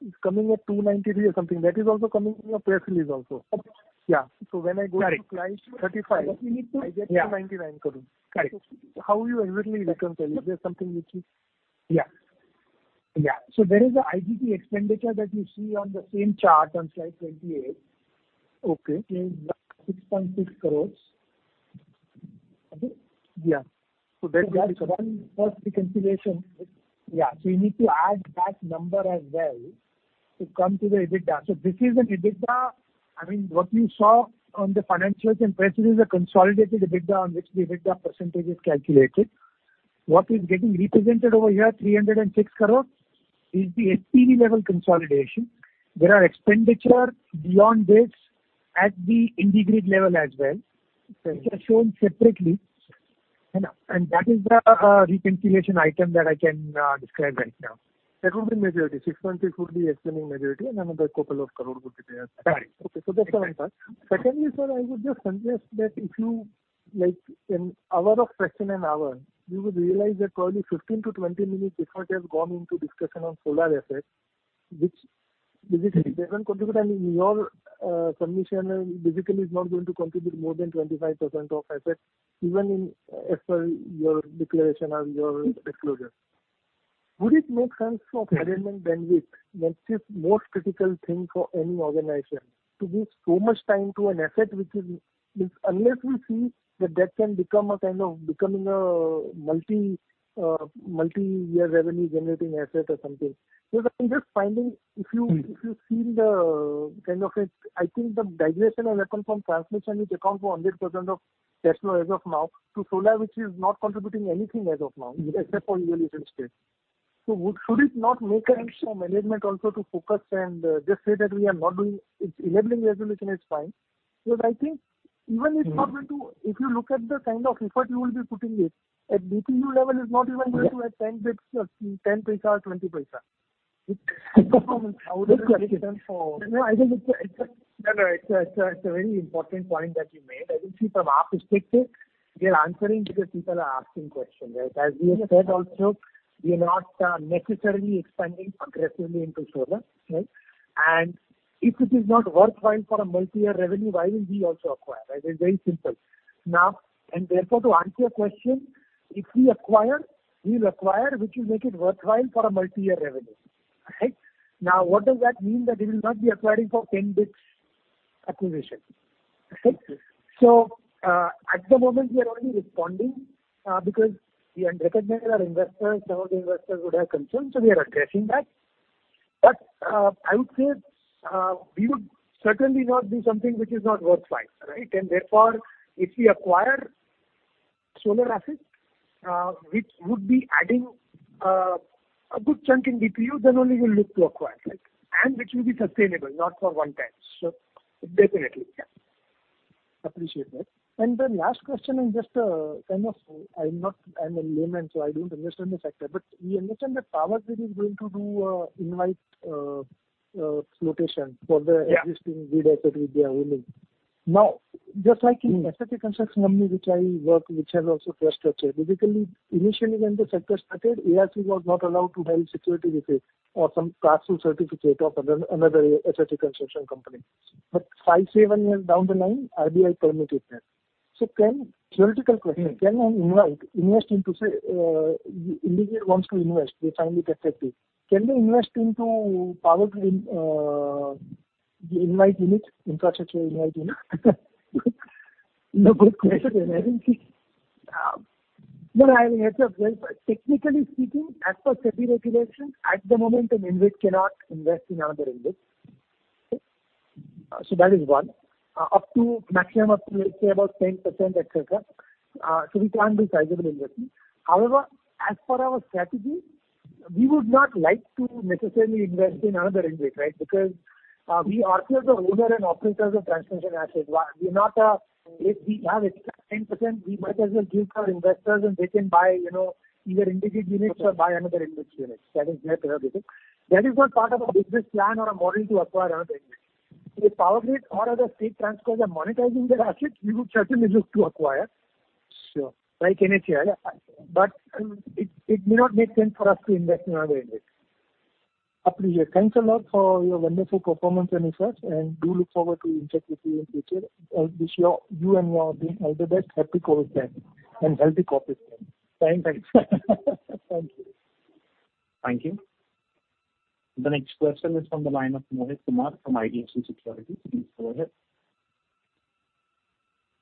it's coming at 293 or something. That is also coming in your press release also. Okay. Yeah. When I go to slide 35, I get 299 crore. Correct. How you eventually reconcile? Is there something which you. Yeah. There is a IGT expenditure that you see on the same chart on slide 28. Okay. Is INR 6.6 crores. Okay. Yeah. That's one first reconciliation. Yeah. You need to add that number as well to come to the EBITDA. This is an EBITDA, I mean, what you saw on the financials and press release are consolidated EBITDA on which the EBITDA % is calculated. What is getting represented over here, 306 crore, is the SPV level consolidation. There are expenditure beyond this at the IndiGrid level as well, which are shown separately. That is the reconciliation item that I can describe right now. That would be majority. 6.6 crore would be SPV majority and another 2 crore would be there. Right. Okay. That's one part. Secondly, sir, I would just suggest that if you, like in hour of question an hour, you would realize that probably 15-20 minutes effort has gone into discussion on solar asset, which basically doesn't contribute any. Your submission basically is not going to contribute more than 25% of asset even as per your declaration or your disclosure. Would it make sense for management bandwidth, which is most critical thing for any organization, to give so much time to an asset. Unless we see that can become a multi-year revenue generating asset or something. I'm just finding if you see the kind of it, I think the dilation has happened from transmission which account for 100% of. As of now to solar, which is not contributing anything as of now, except for regional incentives. Should it not make any management also to focus and just say. It's enabling regulation, it's fine. I think even if you look at the kind of effort you will be putting it, at DPU level is not even going to add 0.10 or 0.20. Good question. No, it's a very important point that you made. I think from our perspective, we are answering because people are asking questions. As we have said also, we are not necessarily expanding aggressively into solar. If it is not worthwhile for a multi-year revenue, why will we also acquire. It's very simple. Now, to answer your question, if we acquire, we will acquire, which will make it worthwhile for a multi-year revenue. Right. Now, what does that mean? That we will not be acquiring for 10 bits acquisition. Right. At the moment, we are only responding because we had recognized our investors, some of the investors would have concerns, so we are addressing that. I would say we would certainly not do something which is not worthwhile. Therefore, if we acquire solar assets, which would be adding a good chunk in DPU, then only we'll look to acquire. Right? Which will be sustainable, not for one time. Definitely, yeah. Appreciate that. The last question is just, I'm a layman, so I don't understand the sector. We understand that Power Grid is going to do a InvIT flotation. Yeah existing grid asset which they are owning. Just like in asset reconstruction company, which I work, which has also clear structure. Initially when the sector started, CERC was not allowed to held security with it or some class of certificate of another asset reconstruction company. Five, seven years down the line, RBI permitted that. Theoretical question, can an InvIT invest into, say, IndiGrid wants to invest, they find it effective. Can they invest into Power Grid InvIT unit, infrastructure InvIT unit? Good question. I mean, as of now, technically speaking, as per SEBI regulations, at the moment, an InvIT cannot invest in another InvIT. That is one. Maximum up to, let's say, about 10%, et cetera. It can't be sizable investment. However, as per our strategy, we would not like to necessarily invest in another InvIT, right? Because we also are the owner and operators of transmission assets. If we have extra 10%, we might as well give our investors and they can buy, either IndiGrid units or buy another InvIT's units. That is their prerogative. That is not part of our business plan or a model to acquire another InvIT. If Power Grid or other state transcos are monetizing their assets, we would certainly look to acquire. Sure. Like any share. It may not make sense for us to invest in other InvITs. Appreciate. Thanks a lot for your wonderful performance and research, and do look forward to interact with you in future. I wish you and your team all the best. Happy Covid time and healthy Covid time. Thanks. Thank you. Thank you. The next question is from the line of Mohit Kumar from IDFC Securities. Please go ahead.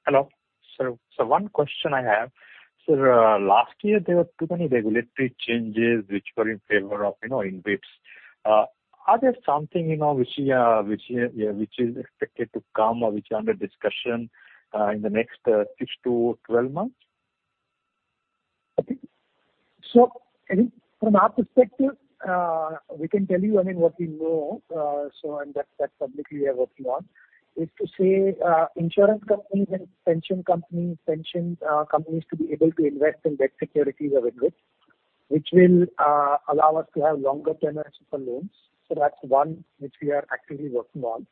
Hello. Sir, one question I have. Sir, last year, there were too many regulatory changes which were in favor of InvITs. Are there something which is expected to come or which are under discussion in the next six to 12 months? I think from our perspective, we can tell you, I mean, what we know, and that publicly we are working on, is to say insurance companies and pension companies to be able to invest in debt securities of InvITs. Which will allow us to have longer tenures for loans. That's one which we are actively working on.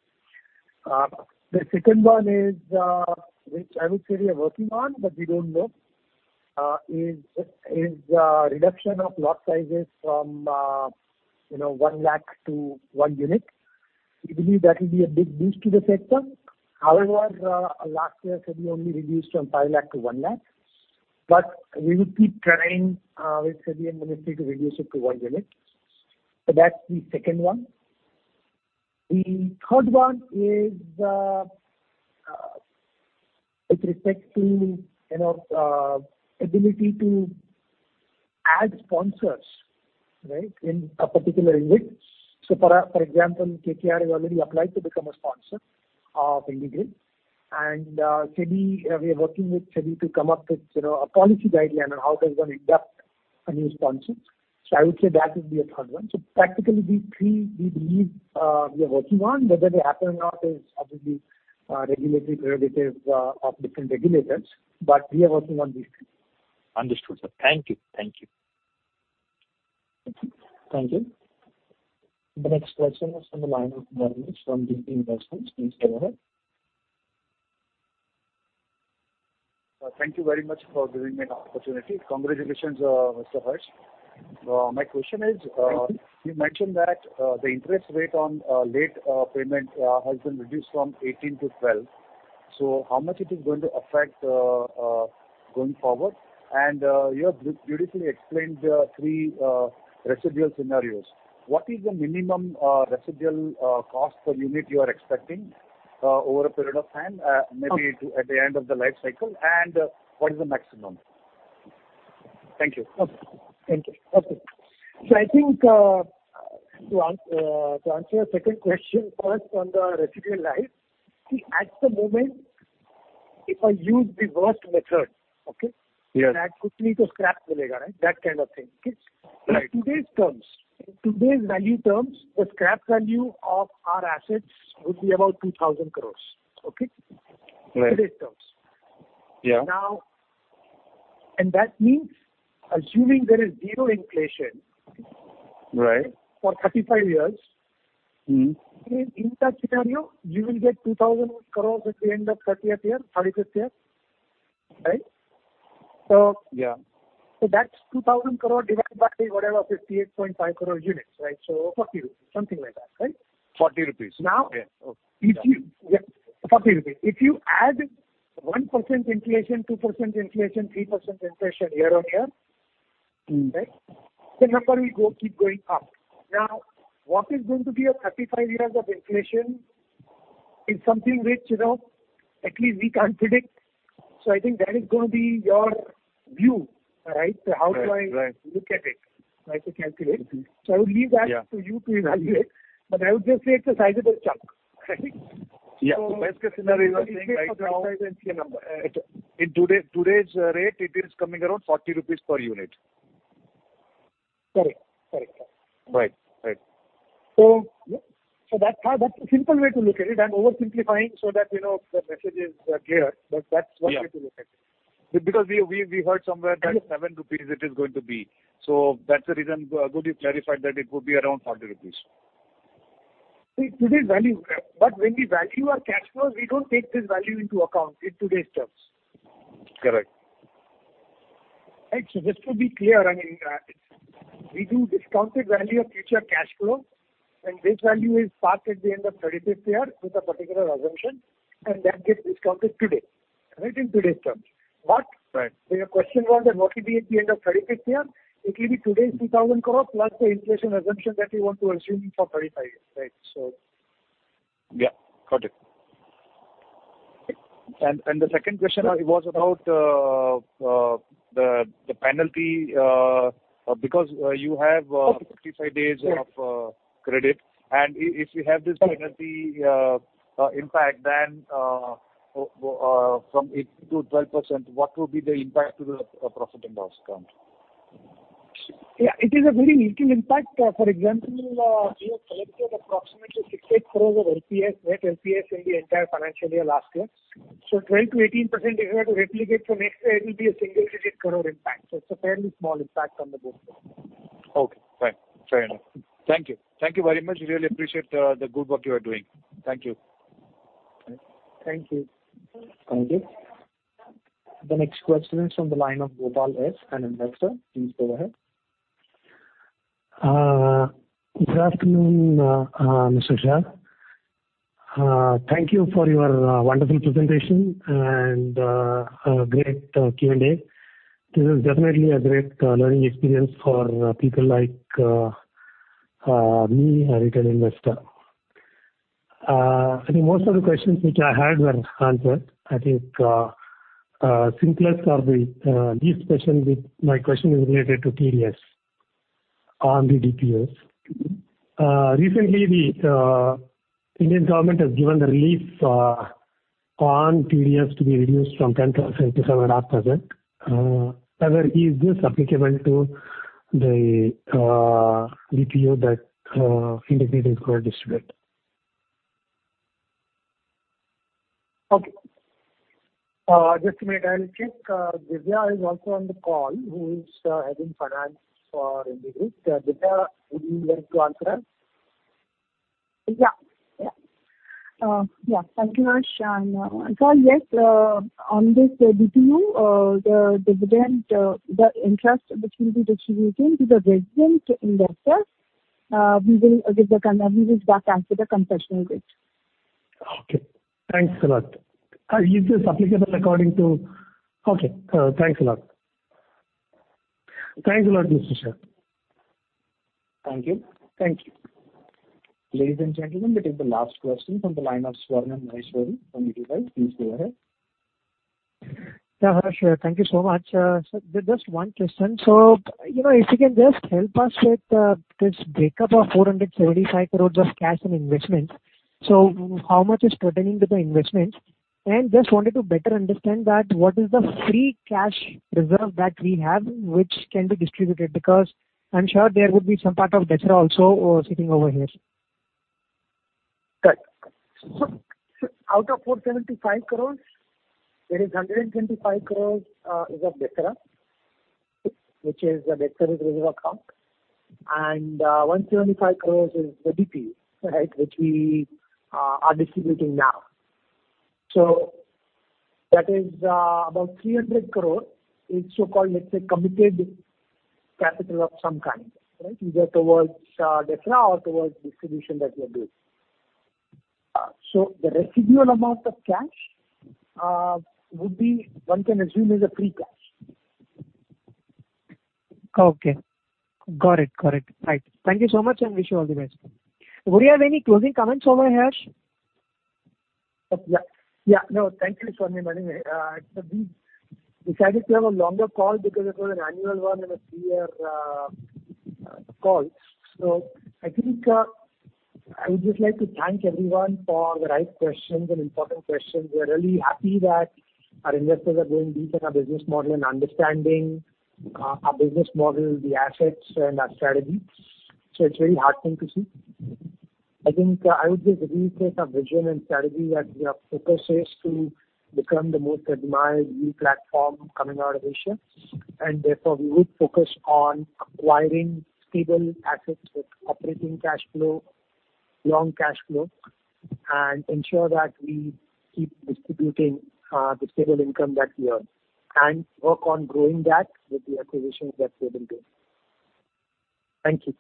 The second one is, which I would say we are working on, but we don't know, is reduction of lot sizes from 1 lakh to 1 unit. We believe that will be a big boost to the sector. However, last year, SEBI only reduced from 5 lakh-1 lakh. We will keep trying with SEBI and Ministry to reduce it to 1 unit. That's the second one. The third one is with respect to ability to add sponsors, right, in a particular InvIT. For example, KKR has already applied to become a sponsor of IndiGrid. We are working with SEBI to come up with a policy guideline on how does one induct a new sponsor. I would say that would be a third one. Practically these three we believe we are working on. Whether they happen or not is obviously regulatory prerogative of different regulators. We are working on these three. Understood, sir. Thank you. Thank you. The next question is from the line of Manish from DP Investments. Please go ahead. Thank you very much for giving me the opportunity. Congratulations, Mr. Harsh. Thank you. My question is, you mentioned that the interest rate on late payment has been reduced from 18%-12%. How much it is going to affect going forward? You have beautifully explained the three residual scenarios. What is the minimum residual cost per unit you are expecting over a period of time, maybe at the end of the life cycle? What is the maximum? Thank you. Okay. Thank you. Okay. I think to answer your second question first on the residual life, see, at the moment, if I use the worst method, okay? Yes. That quickly to scrap right? That kind of thing. Okay? Right. In today's terms, in today's value terms, the scrap value of our assets would be about 2,000 crores. Okay? Right. Today's terms. Yeah. Now, that means assuming there is zero inflation. Right for 35 years. in that scenario, you will get 2,000 crores at the end of thirtieth year, thirty-fifth year. Right? Yeah That's 2,000 crores divided by whatever 58.5 crore units. 40 rupees, something like that, right? 40 rupees. Now- Yeah. Okay. 40 rupees. If you add one % inflation, two % inflation, three % inflation year on year. right? The number will go keep going up. What is going to be your 35 years of inflation is something which at least we can't predict. I think that is going to be your view, right? Right look at it to calculate. I will leave that to you to evaluate, but I would just say it's a sizable chunk. Yeah. The best case scenario you are saying right now. number in today's rate, it is coming around 40 rupees per unit. Correct. Right. That's a simple way to look at it. I'm oversimplifying so that the message is clear. Yeah to look at it. We heard somewhere that INR seven it is going to be. That's the reason. Good you clarified that it would be around 40 rupees. Today's value. When we value our cash flows, we don't take this value into account in today's terms. Correct. Just to be clear, we do discounted value of future cash flow, and this value is parked at the end of 35th year with a particular assumption, and that gets discounted today, in today's terms. Right? Right when your question was on what will be at the end of 35th year, it will be today's 2,000 crores plus the inflation assumption that we want to assume for 35 years. Right? Yeah. Got it. Okay. The second question was about the penalty, because you have 55 days of credit, and if you have this penalty impact then from 18%-12%, what would be the impact to the profit and loss account? Yeah, it is a very minimal impact. For example, we have collected approximately 68 crores of LPS, net LPS in the entire financial year last year. 12%-18%, if you have to replicate for next year, it will be a single-digit crore impact. It's a fairly small impact on the books. Okay. Right. Fair enough. Thank you. Thank you very much. Really appreciate the good work you are doing. Thank you. Thank you. Thank you. The next question is from the line of Gopal S., an investor. Please go ahead. Good afternoon, Mr. Shah. Thank you for your wonderful presentation and a great Q&A. This is definitely a great learning experience for people like me, a retail investor. I think most of the questions which I had were answered. I think simplest or the least question with my question is related to TDS on the DPUs. Recently, the Indian government has given the relief on TDS to be reduced from 10% to 7.5%. However, is this applicable to the DPU that IndiGrid is going to distribute? Okay. Just a minute, I'll check. Divya is also on the call who is heading finance for IndiGrid. Divya, would you like to answer? Yeah. Thank you, Mr. Shah. Sir, yes, on this DPU, the dividend, the interest which will be distributing to the resident investors, we will back after the concession rate. Okay. Thanks a lot, Mr. Shah. Thank you. Thank you. Ladies and gentlemen, this is the last question from the line of Swarnim Maheshwari from Edelweiss. Please go ahead. Yeah, Harsh. Thank you so much. Sir, just one question. If you can just help us with this breakup of 475 crores of cash and investments. How much is pertaining to the investments? Just wanted to better understand that what is the free cash reserve that we have which can be distributed, because I'm sure there would be some part of DSRA also sitting over here. Right. Out of 475 crore, there is 125 crore is of DSRA, which is the DSRA reserve account, 175 crore is the DPU, which we are distributing now. That is about 300 crore is so-called, let's say, committed capital of some kind. Either towards DSRA or towards distribution that we are doing. The residual amount of cash would be, one can assume is a free cash. Okay. Got it. Right. Thank you so much, and wish you all the best. Would you have any closing comments over here, Harsh? Yeah. No. Thank you, Swarnim. Anyway, we decided to have a longer call because it was an annual one and a three-year call. I think I would just like to thank everyone for the right questions and important questions. We are really happy that our investors are going deep in our business model and understanding our business model, the assets and our strategy. It's a really heartening to see. I think I would just reiterate our vision and strategy that our focus is to become the most admired RE platform coming out of Asia, and therefore, we would focus on acquiring stable assets with operating cash flow, long cash flow, and ensure that we keep distributing the stable income that we earn, and work on growing that with the acquisitions that we have been doing. Thank you.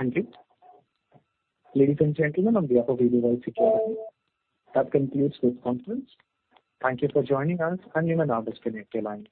Thank you. Ladies and gentlemen on behalf of Edelweiss Securities. That concludes this conference. Thank you for joining us, and you may now disconnect your lines.